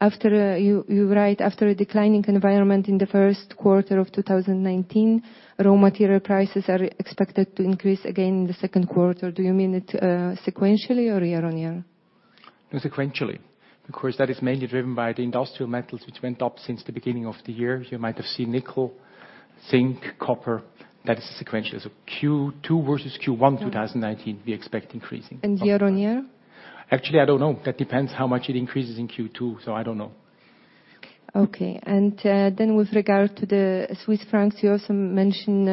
You write after a declining environment in the first quarter of 2019, raw material prices are expected to increase again in the second quarter. Do you mean it sequentially or year-on-year?
Sequentially. Of course, that is mainly driven by the industrial metals, which went up since the beginning of the year. You might have seen nickel, zinc, copper. That is sequential. Q2 versus Q1 2019, we expect increasing.
Year-on-year?
Actually, I don't know. That depends how much it increases in Q2, I don't know.
Okay. With regard to the Swiss francs, you also mentioned,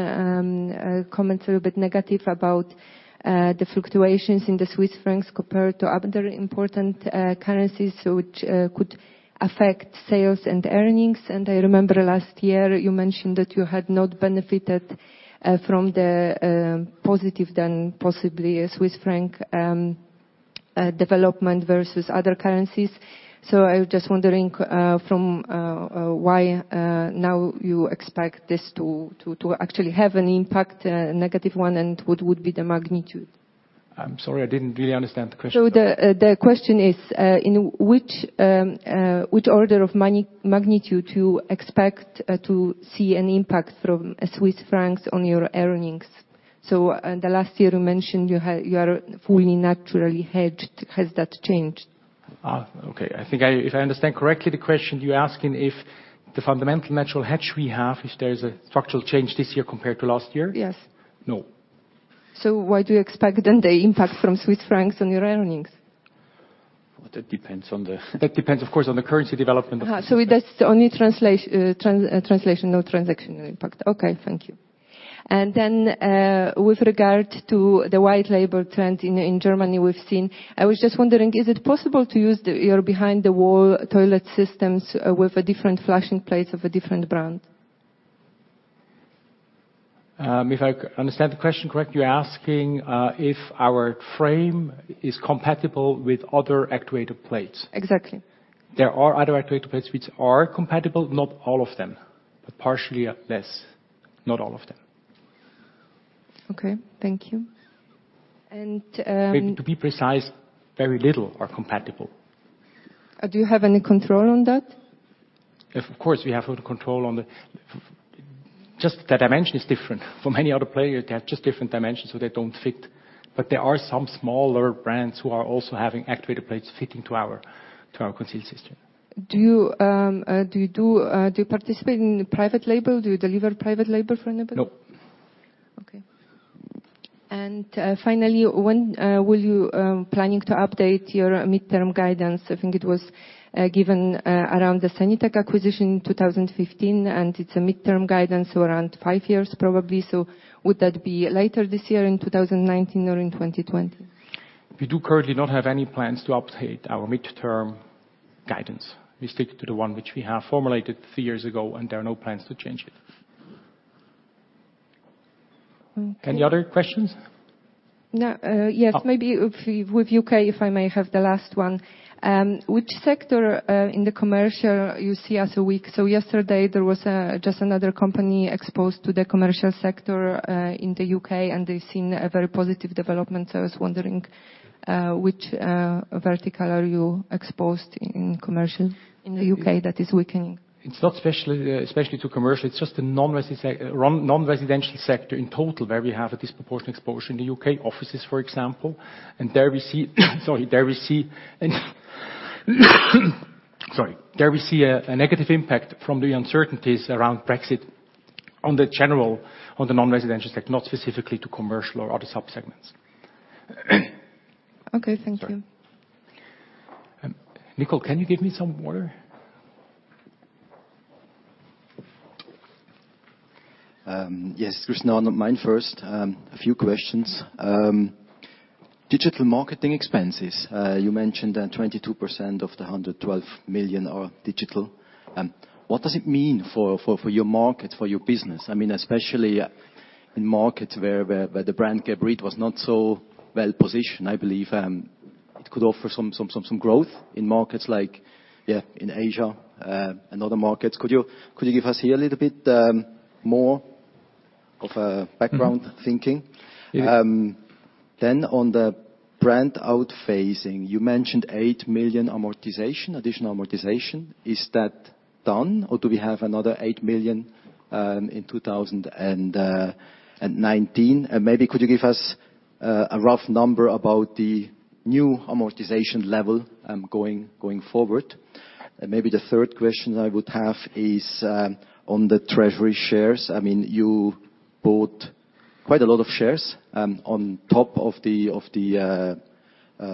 comments a little bit negative about the fluctuations in the Swiss francs compared to other important currencies, which could affect sales and earnings. I remember last year you mentioned that you had not benefited from the positive then possibly Swiss franc development versus other currencies. I was just wondering from why now you expect this to actually have an impact, a negative one, and what would be the magnitude?
I'm sorry, I didn't really understand the question.
The question is, in which order of magnitude you expect to see an impact from Swiss francs on your earnings? In the last year, you mentioned you are fully naturally hedged. Has that changed?
Okay. I think if I understand correctly the question, you are asking if the fundamental natural hedge we have, if there is a structural change this year compared to last year?
Yes.
No.
Why do you expect then the impact from Swiss francs on your earnings?
Well, that depends, of course, on the currency development.
That is only translation, no transaction impact. Okay. Thank you. With regard to the white label trend in Germany we have seen, I was just wondering, is it possible to use your behind the wall toilet systems with a different flushing plate of a different brand?
If I understand the question correctly, you're asking if our frame is compatible with other actuator plates.
Exactly.
There are other actuator plates which are compatible, not all of them. Partially, yes. Not all of them.
Okay. Thank you.
To be precise, very little are compatible.
Do you have any control on that?
Of course, we have total control. The dimension is different. For many other players, they have just different dimensions, so they don't fit. There are some smaller brands who are also having actuator plates fitting to our concealed system.
Do you participate in private label? Do you deliver private label for anybody?
No.
Okay. Finally, when were you planning to update your midterm guidance? I think it was given around the Sanitec acquisition in 2015, and it's a midterm guidance, so around five years probably. Would that be later this year in 2019 or in 2020?
We do currently not have any plans to update our midterm guidance. We stick to the one which we have formulated three years ago, and there are no plans to change it.
Okay.
Any other questions?
Yes. Maybe with U.K., if I may have the last one. Which sector, in the commercial, you see as weak? Yesterday, there was just another company exposed to the commercial sector, in the U.K., and they've seen a very positive development. I was wondering, which vertical are you exposed in commercial in the U.K. that is weakening?
It's not especially to commercial. It's just the non-residential sector in total where we have a disproportionate exposure in the U.K. Offices, for example. There we see a negative impact from the uncertainties around Brexit on the general, on the non-residential sector, not specifically to commercial or other subsegments.
Okay. Thank you.
Sorry. Nicole, can you give me some water?
Yes, Christian, mine first. A few questions. Digital marketing expenses. You mentioned that 22% of the 112 million are digital. What does it mean for your market, for your business? I mean, especially in markets where the brand Geberit was not so well-positioned, I believe it could offer some growth in markets like in Asia and other markets. Could you give us here a little bit more of a background thinking?
Yeah.
On the brand out-phasing, you mentioned 8 million amortization, additional amortization. Is that done, or do we have another 8 million in 2019? Maybe could you give us a rough number about the new amortization level going forward? Maybe the third question I would have is on the treasury shares. You bought quite a lot of shares on top of the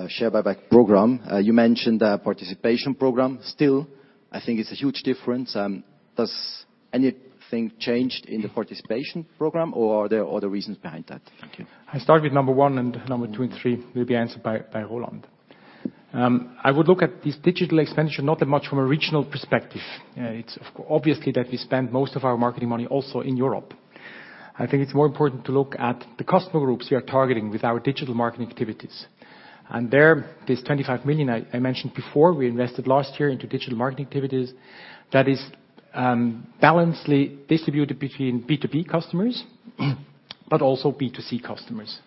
share buyback program. You mentioned a participation program still. I think it's a huge difference. Has anything changed in the participation program, or are there other reasons behind that? Thank you.
I start with number one. Number two and three will be answered by Roland. I would look at this digital expenditure not that much from a regional perspective. It's obviously that we spend most of our marketing money also in Europe. I think it's more important to look at the customer groups we are targeting with our digital marketing activities. There, this 25 million I mentioned before, we invested last year into digital marketing activities. That is balancedly distributed between B2B customers, but also B2C customers.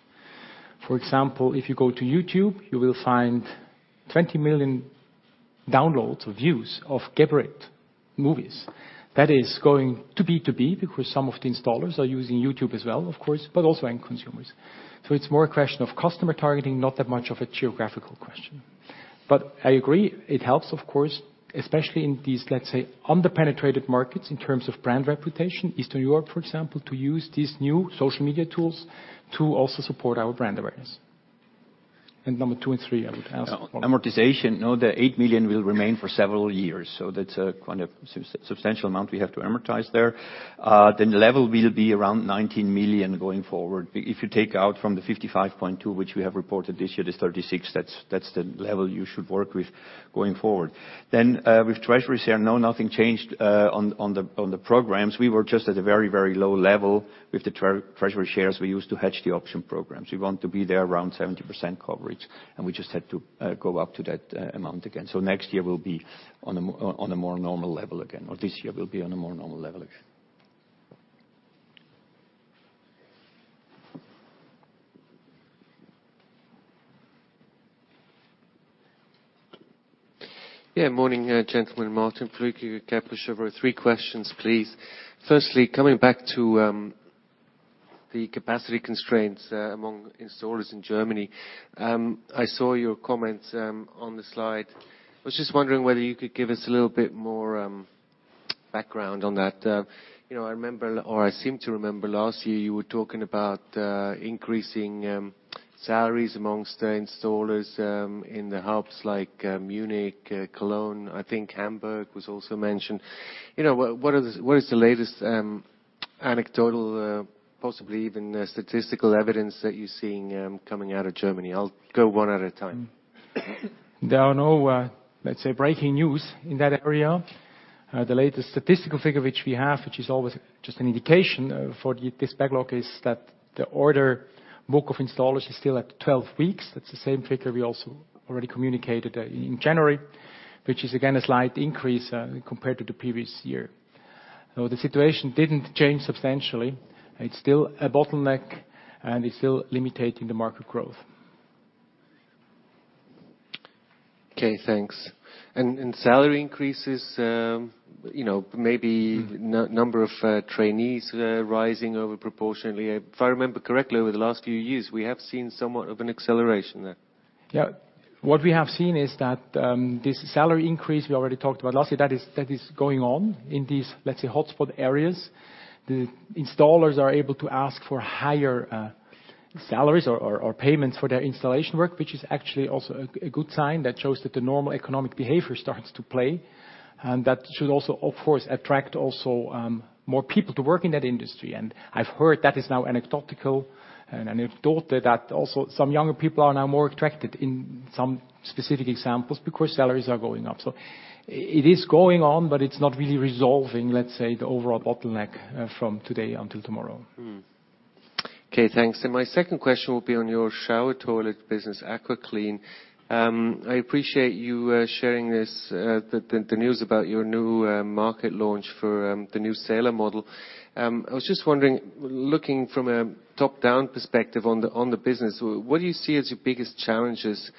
For example, if you go to YouTube, you will find 20 million downloads or views of Geberit movies. That is going to B2B, because some of the installers are using YouTube as well, of course, but also end consumers. It's more a question of customer targeting, not that much of a geographical question. I agree, it helps, of course, especially in these, let's say, under-penetrated markets in terms of brand reputation, Eastern Europe, for example, to use these new social media tools to also support our brand awareness. Number two and three, I would ask Roland.
Amortization, no, the 8 million will remain for several years. That's quite a substantial amount we have to amortize there. The level will be around 19 million going forward. If you take out from the 55.2 which we have reported this year, this 36, that's the level you should work with going forward. With treasury share, no, nothing changed on the programs. We were just at a very low level with the treasury shares we used to hedge the option programs. We want to be there around 70% coverage, we just had to go up to that amount again. Next year will be on a more normal level again, or this year will be on a more normal level again.
Yeah. Morning, gentlemen. Martin Flueckiger, Kepler Cheuvreux. Three questions, please. Firstly, coming back to the capacity constraints among installers in Germany. I saw your comment on the slide. I was just wondering whether you could give us a little bit more background on that. I remember, or I seem to remember last year you were talking about increasing salaries amongst the installers in the hubs like Munich, Cologne, I think Hamburg was also mentioned. What is the latest anecdotal, possibly even statistical evidence that you're seeing coming out of Germany? I'll go one at a time.
There are no, let's say, breaking news in that area. The latest statistical figure which we have, which is always just an indication for this backlog, is that the order book of installers is still at 12 weeks. That's the same figure we also already communicated in January, which is again a slight increase compared to the previous year. The situation didn't change substantially. It's still a bottleneck, and it's still limiting the market growth.
Okay, thanks. Salary increases, maybe number of trainees rising over-proportionately. If I remember correctly, over the last few years, we have seen somewhat of an acceleration there.
Yeah. What we have seen is that this salary increase we already talked about last year, that is going on in these, let's say, hotspot areas. The installers are able to ask for higher salaries or payments for their installation work, which is actually also a good sign that shows that the normal economic behavior starts to play. That should also, of course, attract also more people to work in that industry. I've heard that is now anecdotical, and I've thought that also some younger people are now more attracted in some specific examples because salaries are going up. It is going on, but it's not really resolving, let's say, the overall bottleneck from today until tomorrow.
Okay, thanks. My second question will be on your shower toilet business, AquaClean. I appreciate you sharing the news about your new market launch for the new Sela model. I was just wondering, looking from a top-down perspective on the business, what do you see as your biggest challenges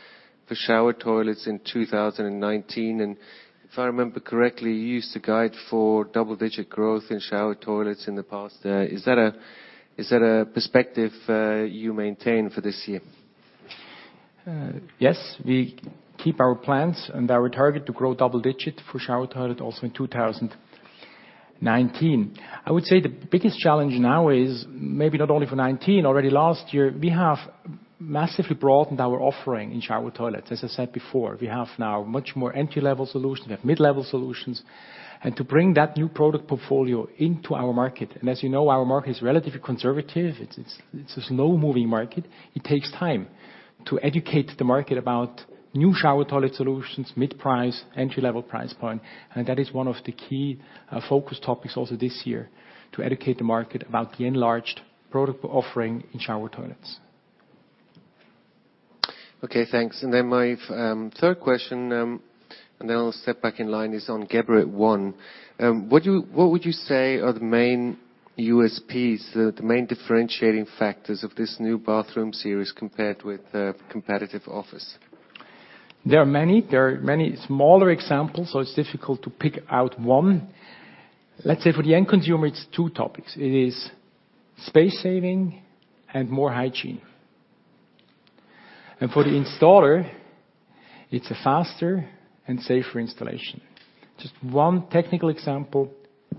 for shower toilets in 2019? If I remember correctly, you used to guide for double-digit growth in shower toilets in the past. Is that a perspective you maintain for this year?
Yes. We keep our plans and our target to grow double-digit for shower toilet also in 2019. I would say the biggest challenge now is maybe not only for 2019, already last year, we have massively broadened our offering in shower toilets. As I said before, we have now much more entry-level solution, we have mid-level solutions. To bring that new product portfolio into our market, and as you know, our market is relatively conservative. It's a slow-moving market. It takes time to educate the market about new shower toilet solutions, mid-price, entry-level price point. That is one of the key focus topics also this year, to educate the market about the enlarged product offering in shower toilets.
Okay, thanks. My third question, and then I'll step back in line, is on Geberit ONE. What would you say are the main USPs, the main differentiating factors of this new bathroom series compared with competitive offerings?
There are many. There are many smaller examples, so it's difficult to pick out one. Let's say for the end consumer, it's two topics. It is space saving and more hygiene. For the installer, it's a faster and safer installation. Just one technical example,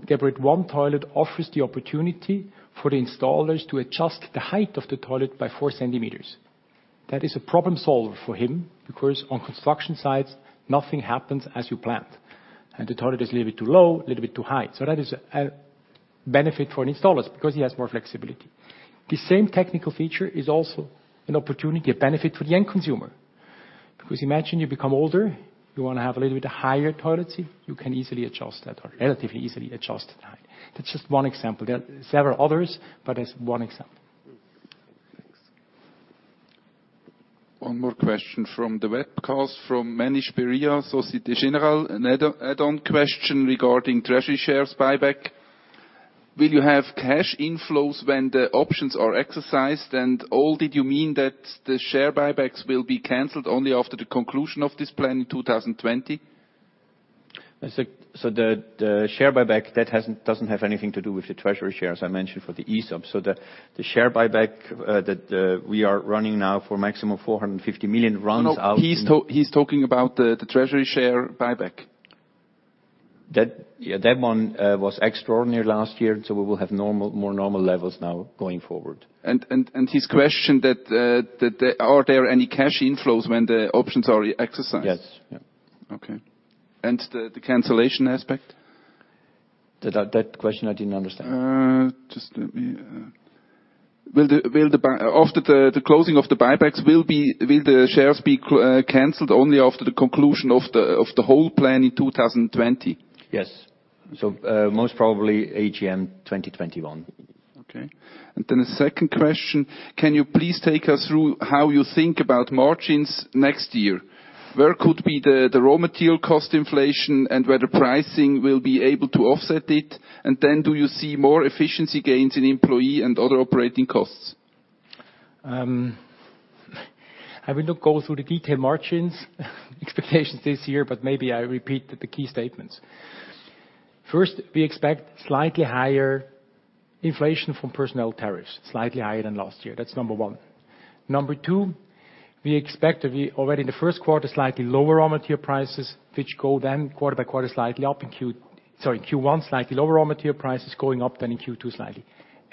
Geberit ONE toilet offers the opportunity for the installers to adjust the height of the toilet by four centimeters. That is a problem solver for him because on construction sites, nothing happens as you planned, and the toilet is a little bit too low, a little bit too high. That is a benefit for installers because he has more flexibility. The same technical feature is also an opportunity, a benefit for the end consumer. Imagine you become older, you want to have a little bit higher toilet seat, you can easily adjust that or relatively easily adjust the height. That's just one example. There are several others, that's one example.
Thanks.
One more question from the webcast, from Manish Beria, Societe Generale. An add-on question regarding treasury shares buyback. Will you have cash inflows when the options are exercised, did you mean that the share buybacks will be canceled only after the conclusion of this plan in 2020? The share buyback, that doesn't have anything to do with the treasury shares I mentioned for the ESOP. The share buyback that we are running now for maximum 450 million runs out- He's talking about the treasury share buyback. That one was extraordinary last year, we will have more normal levels now going forward. His question that are there any cash inflows when the options are exercised?
Yes. Yeah.
Okay. The cancellation aspect?
That question I didn't understand.
After the closing of the buybacks, will the shares be canceled only after the conclusion of the whole plan in 2020? Yes. Most probably AGM 2021. Okay. The second question, can you please take us through how you think about margins next year? Where could be the raw material cost inflation and whether pricing will be able to offset it? Do you see more efficiency gains in employee and other operating costs? I will not go through the detailed margins expectations this year, maybe I repeat the key statements. First, we expect slightly higher inflation from personnel tariffs, slightly higher than last year. That's number one. Number two, we expect already in the first quarter, slightly lower raw material prices, which go then quarter by quarter slightly up in sorry, Q1 slightly lower raw material prices, going up then in Q2 slightly.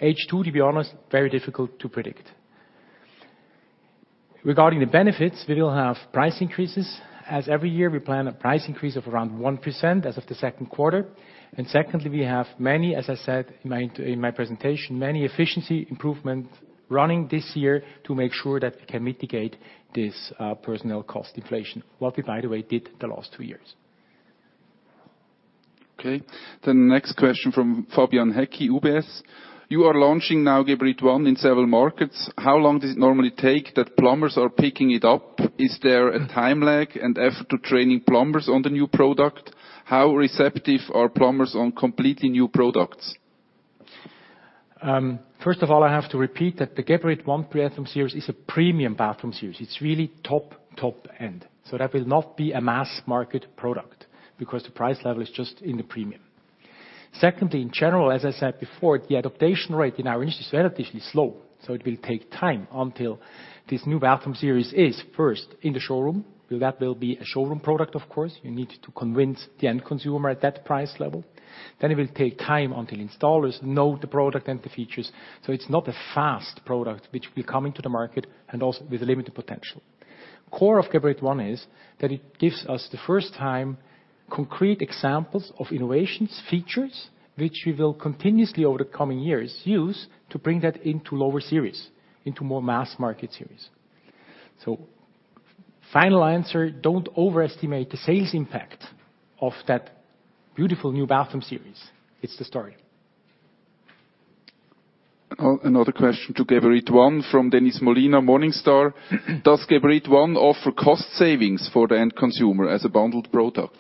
H2, to be honest, very difficult to predict. Regarding the benefits, we will have price increases. As every year, we plan a price increase of around 1% as of the second quarter. Secondly, we have many, as I said in my presentation, many efficiency improvement running this year to make sure that we can mitigate this personnel cost inflation. What we, by the way, did the last two years. Next question from Fabian Hecky, UBS. You are launching now Geberit ONE in several markets. How long does it normally take that plumbers are picking it up? Is there a time lag and effort to training plumbers on the new product? How receptive are plumbers on completely new products?
First of all, I have to repeat that the Geberit ONE bathroom series is a premium bathroom series. It's really top end. That will not be a mass market product, because the price level is just in the premium. Secondly, in general, as I said before, the adaptation rate in our industry is relatively slow. It will take time until this new bathroom series is first in the showroom. Well, that will be a showroom product, of course. You need to convince the end consumer at that price level. It will take time until installers know the product and the features. It's not a fast product which will come into the market and also with a limited potential. Core of Geberit ONE is that it gives us the first time concrete examples of innovations, features which we will continuously over the coming years use to bring that into lower series, into more mass market series. Final answer, don't overestimate the sales impact of that beautiful new bathroom series. It's the story.
Another question to Geberit ONE from Denise Molina, Morningstar. Does Geberit ONE offer cost savings for the end consumer as a bundled product?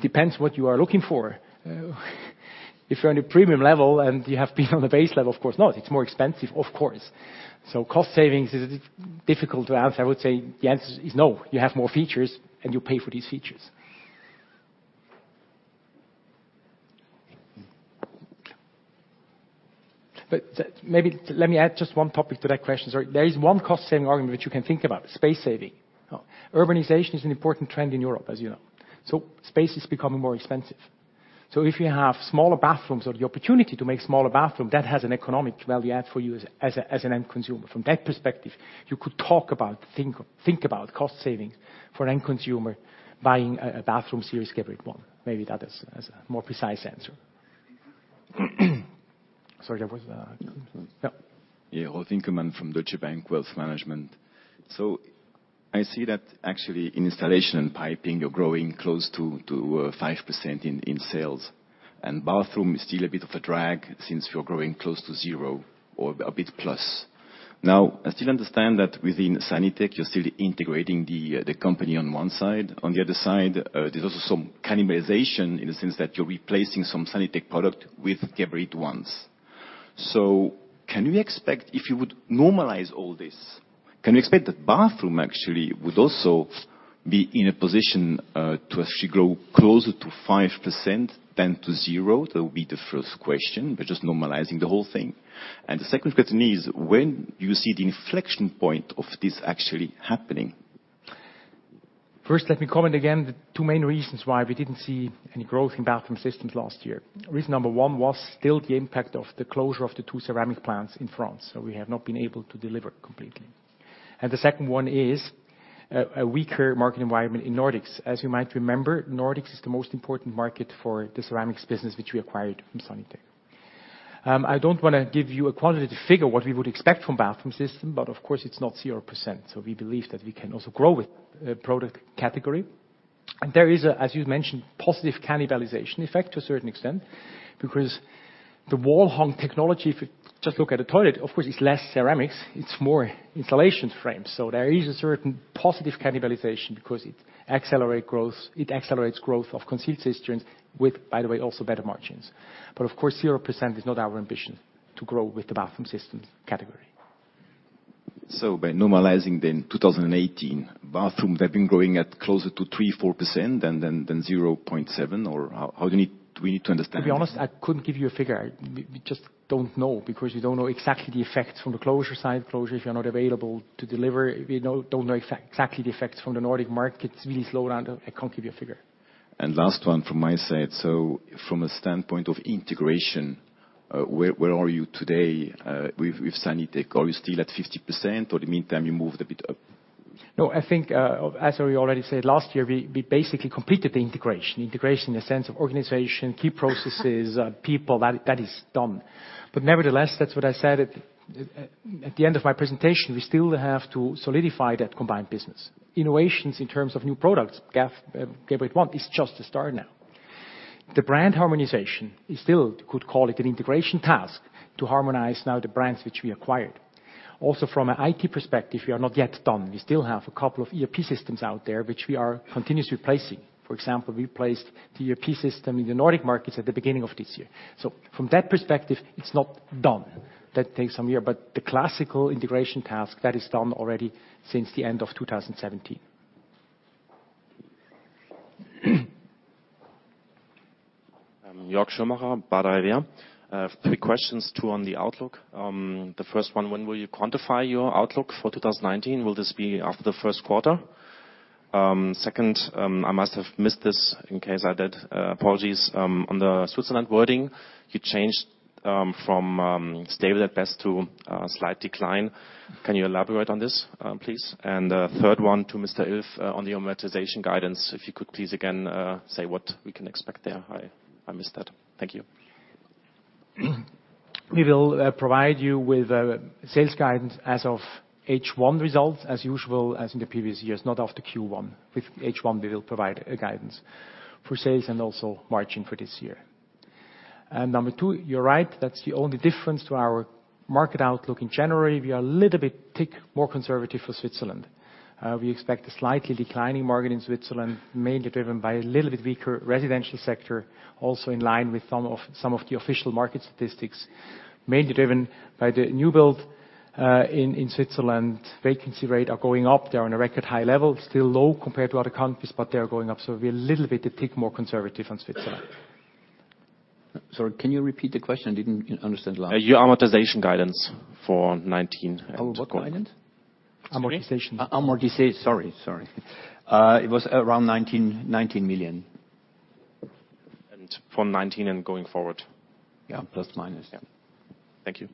Depends what you are looking for. If you are on a premium level and you have been on a base level, of course not. It is more expensive, of course. Cost savings is difficult to answer. I would say the answer is no. You have more features, and you pay for these features. Maybe let me add just one topic to that question. Sorry. There is one cost-saving argument which you can think about, space saving. Urbanization is an important trend in Europe, as you know. Space is becoming more expensive. If you have smaller bathrooms or the opportunity to make smaller bathroom, that has an economic value add for you as an end consumer. From that perspective, you could talk about, think about cost savings for an end consumer buying a bathroom series Geberit ONE. Maybe that is a more precise answer. No.
Yeah. Yeah. Rolf Inkemann from Deutsche Bank Wealth Management. I see that actually in installation and piping, you are growing close to 5% in sales. Bathroom is still a bit of a drag since you are growing close to 0 or a bit plus. Now, I still understand that within Sanitec, you are still integrating the company on one side. On the other side, there is also some cannibalization in the sense that you are replacing some Sanitec product with Geberit ones. If you would normalize all this, can we expect that bathroom actually would also be in a position to actually grow closer to 5% than to 0? That would be the first question, by just normalizing the whole thing. The second question is, when you see the inflection point of this actually happening?
First, let me comment again, the 2 main reasons why we didn't see any growth in Bathroom Systems last year. Reason number one was still the impact of the closure of the 2 ceramic plants in France. We have not been able to deliver completely. The second one is, a weaker market environment in Nordics. As you might remember, Nordics is the most important market for the ceramics business, which we acquired from Sanitec. I don't want to give you a quantitative figure, what we would expect from Bathroom Systems, but of course it is not 0%. We believe that we can also grow with product category. There is, as you have mentioned, positive cannibalization effect to a certain extent, because the wall-hung technology, if you just look at the toilet, of course it is less ceramics, it is more installation frames. There is a certain positive cannibalization because it accelerates growth of concealed cisterns with, by the way, also better margins. Of course, 0% is not our ambition to grow with the Bathroom Systems category.
By normalizing 2018, bathroom, they've been growing at closer to 3%, 4%, than 0.7, or how do we need to understand that?
To be honest, I couldn't give you a figure. We just don't know, because we don't know exactly the effects from the closure side. Closure, if you are not available to deliver. We don't know exactly the effects from the Nordic markets, really slow down. I can't give you a figure.
Last one from my side. From a standpoint of integration, where are you today with Sanitec? Are you still at 50% or in the meantime you moved a bit up?
No, I think as we already said, last year, we basically completed the integration. Integration in the sense of organization, key processes, people, that is done. Nevertheless, that's what I said at the end of my presentation, we still have to solidify that combined business. Innovations in terms of new products, Geberit ONE is just the start now. The brand harmonization, you still could call it an integration task to harmonize now the brands which we acquired. Also from an IT perspective, we are not yet done. We still have a couple of ERP systems out there which we are continuously replacing. For example, we replaced the ERP system in the Nordic markets at the beginning of this year. From that perspective, it's not done. That takes some year. The classical integration task, that is done already since the end of 2017.
Jörg Schirmacher, Baader Helvea. I have three questions, two on the outlook. The first one, when will you quantify your outlook for 2019? Will this be after the first quarter? Second, I must have missed this, in case I did, apologies, on the Switzerland wording. You changed from stable at best to slight decline. Can you elaborate on this, please? Third one to Mr. Iff on the amortization guidance. If you could please again, say what we can expect there. I missed that. Thank you.
We will provide you with a sales guidance as of H1 results as usual, as in the previous years, not after Q1. With H1, we will provide a guidance for sales and also margin for this year. Number two, you're right, that's the only difference to our market outlook in January. We are a little bit tick more conservative for Switzerland. We expect a slightly declining market in Switzerland, mainly driven by a little bit weaker residential sector. Also in line with some of the official market statistics. Mainly driven by the new build in Switzerland. Vacancy rate are going up. They're on a record high level. Still low compared to other countries, but they are going up. We are a little bit tick more conservative on Switzerland.
Sorry, can you repeat the question? I didn't understand.
Your amortization guidance for 2019.
Our what guidance?
Amortization. Amortization. Sorry. It was around 19 million.
From 2019 and going forward.
Yeah. Plus or minus. Yeah.
Thank you.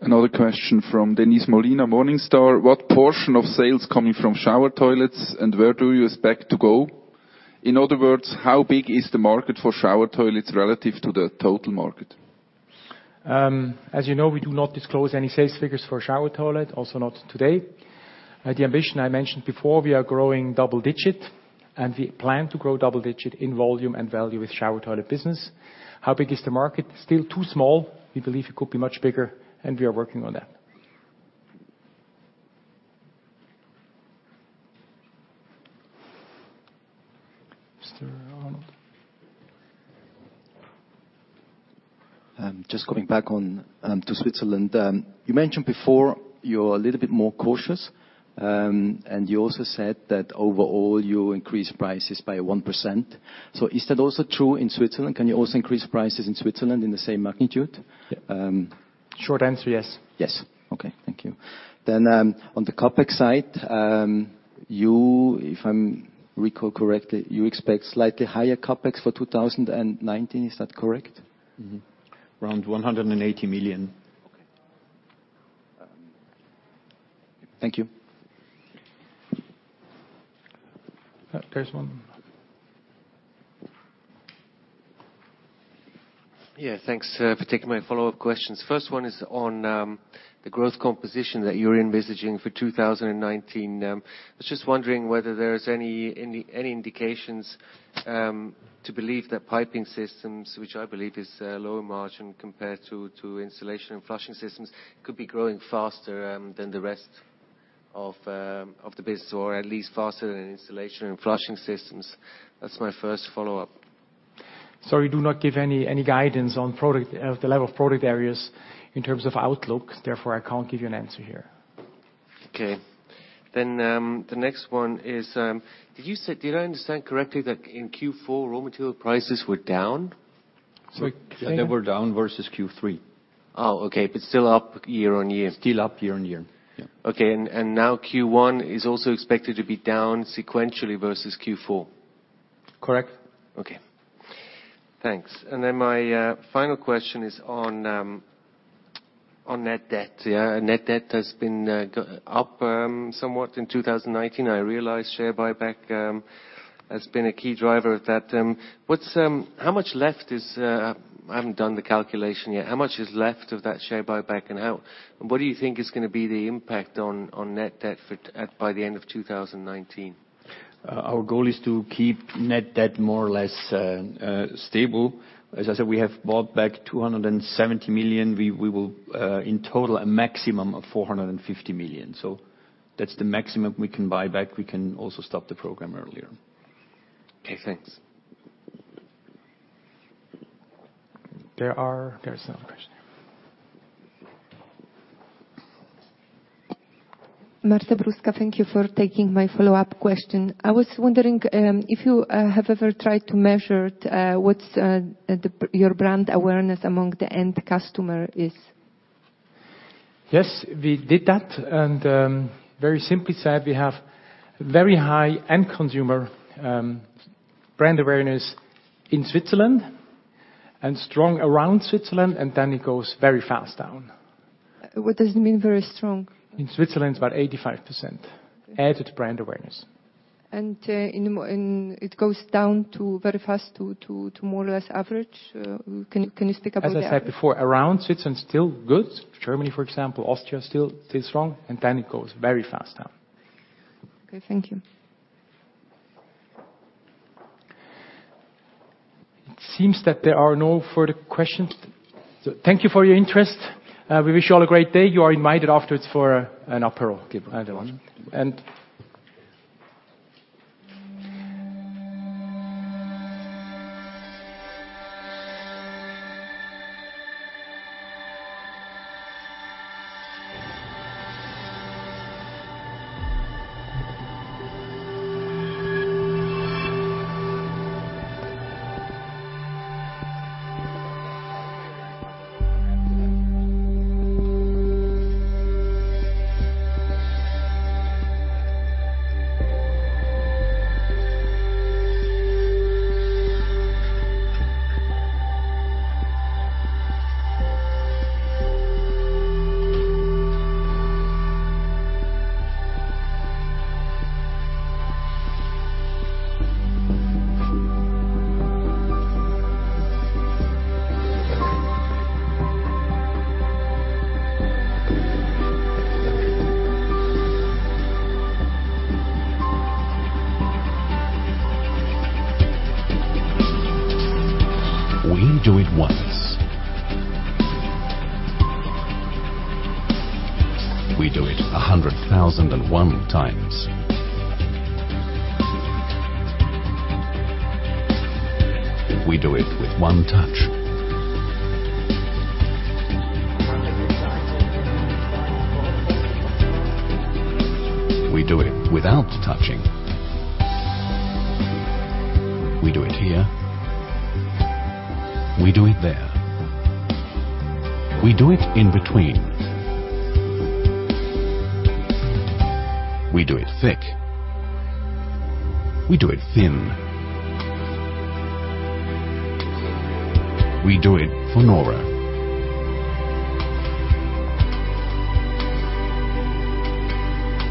Another question from Denise Molina, Morningstar. What portion of sales coming from shower toilets and where do you expect to go? In other words, how big is the market for shower toilets relative to the total market?
As you know, we do not disclose any sales figures for shower toilet, also not today. The ambition I mentioned before, we are growing double digit, and we plan to grow double digit in volume and value with shower toilet business. How big is the market? Still too small. We believe it could be much bigger and we are working on that. Mr. Arnold.
Just coming back on to Switzerland. You mentioned before you're a little bit more cautious, and you also said that overall you increase prices by 1%. Is that also true in Switzerland? Can you also increase prices in Switzerland in the same magnitude?
Short answer, yes.
Yes. Okay. Thank you. On the CapEx side, if I recall correctly, you expect slightly higher CapEx for 2019. Is that correct?
Around 180 million.
Okay. Thank you.
There's one
Yeah. Thanks for taking my follow-up questions. First one is on the growth composition that you are envisaging for 2019. I was just wondering whether there is any indications to believe that Piping Systems, which I believe is lower margin compared to Installation and Flushing Systems, could be growing faster than the rest of the business, or at least faster than Installation and Flushing Systems. That's my first follow-up.
Sorry, we do not give any guidance on the level of product areas in terms of outlook. Therefore, I can't give you an answer here.
Okay. The next one is, did I understand correctly that in Q4, raw material prices were down?
Sorry. They were down versus Q3.
Oh, okay, still up year-on-year.
Still up year-on-year. Yeah.
Now Q1 is also expected to be down sequentially versus Q4.
Correct.
Thanks. Then my final question is on net debt. Yeah, net debt has been up somewhat in 2019. I realize share buyback has been a key driver of that. I haven't done the calculation yet. How much is left of that share buyback, and what do you think is going to be the impact on net debt by the end of 2019?
Our goal is to keep net debt more or less stable. As I said, we have bought back 270 million. We will, in total, a maximum of 450 million, that's the maximum we can buy back. We can also stop the program earlier.
Okay, thanks.
There's no question.
Marta Bruska. Thank you for taking my follow-up question. I was wondering if you have ever tried to measure what your brand awareness among the end customer is.
Yes, we did that. Very simply said, we have very high end consumer brand awareness in Switzerland, strong around Switzerland, then it goes very fast down.
What does it mean, very strong?
In Switzerland, it's about 85% added brand awareness.
It goes down very fast to more or less average? Can you speak about the average?
As I said before, around Switzerland, still good. Germany, for example, Austria, still strong, and then it goes very fast down.
Okay, thank you.
It seems that there are no further questions. Thank you for your interest. We wish you all a great day. You are invited afterwards for an Aperol everyone.
We do it once. We do it 100,001 times. We do it with one touch. We do it without touching. We do it here. We do it there. We do it in between. We do it thick. We do it thin. We do it for Nora.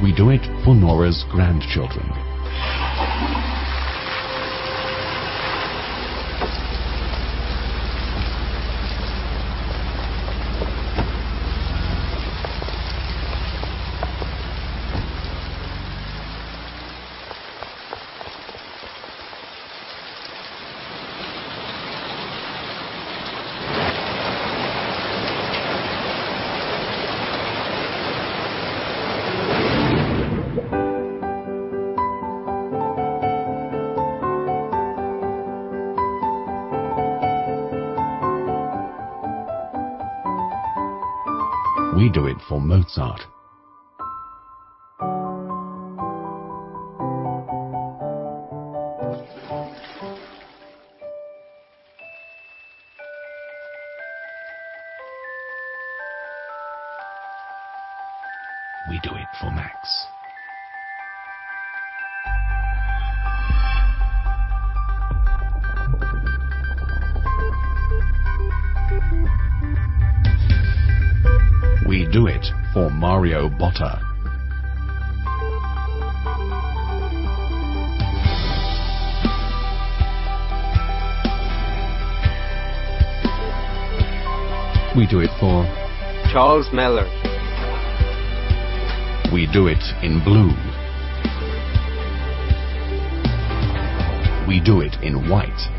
We do it for Nora's grandchildren. We do it for Mozart. We do it for Max. We do it for Mario Botta. We do it for Charles Miller. We do it in blue. We do it in white.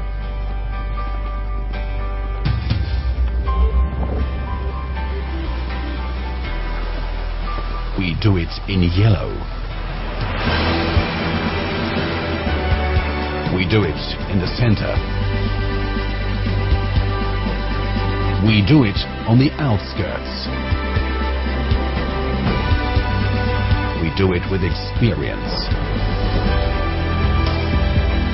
We do it in yellow. We do it in the center. We do it on the outskirts. We do it with experience.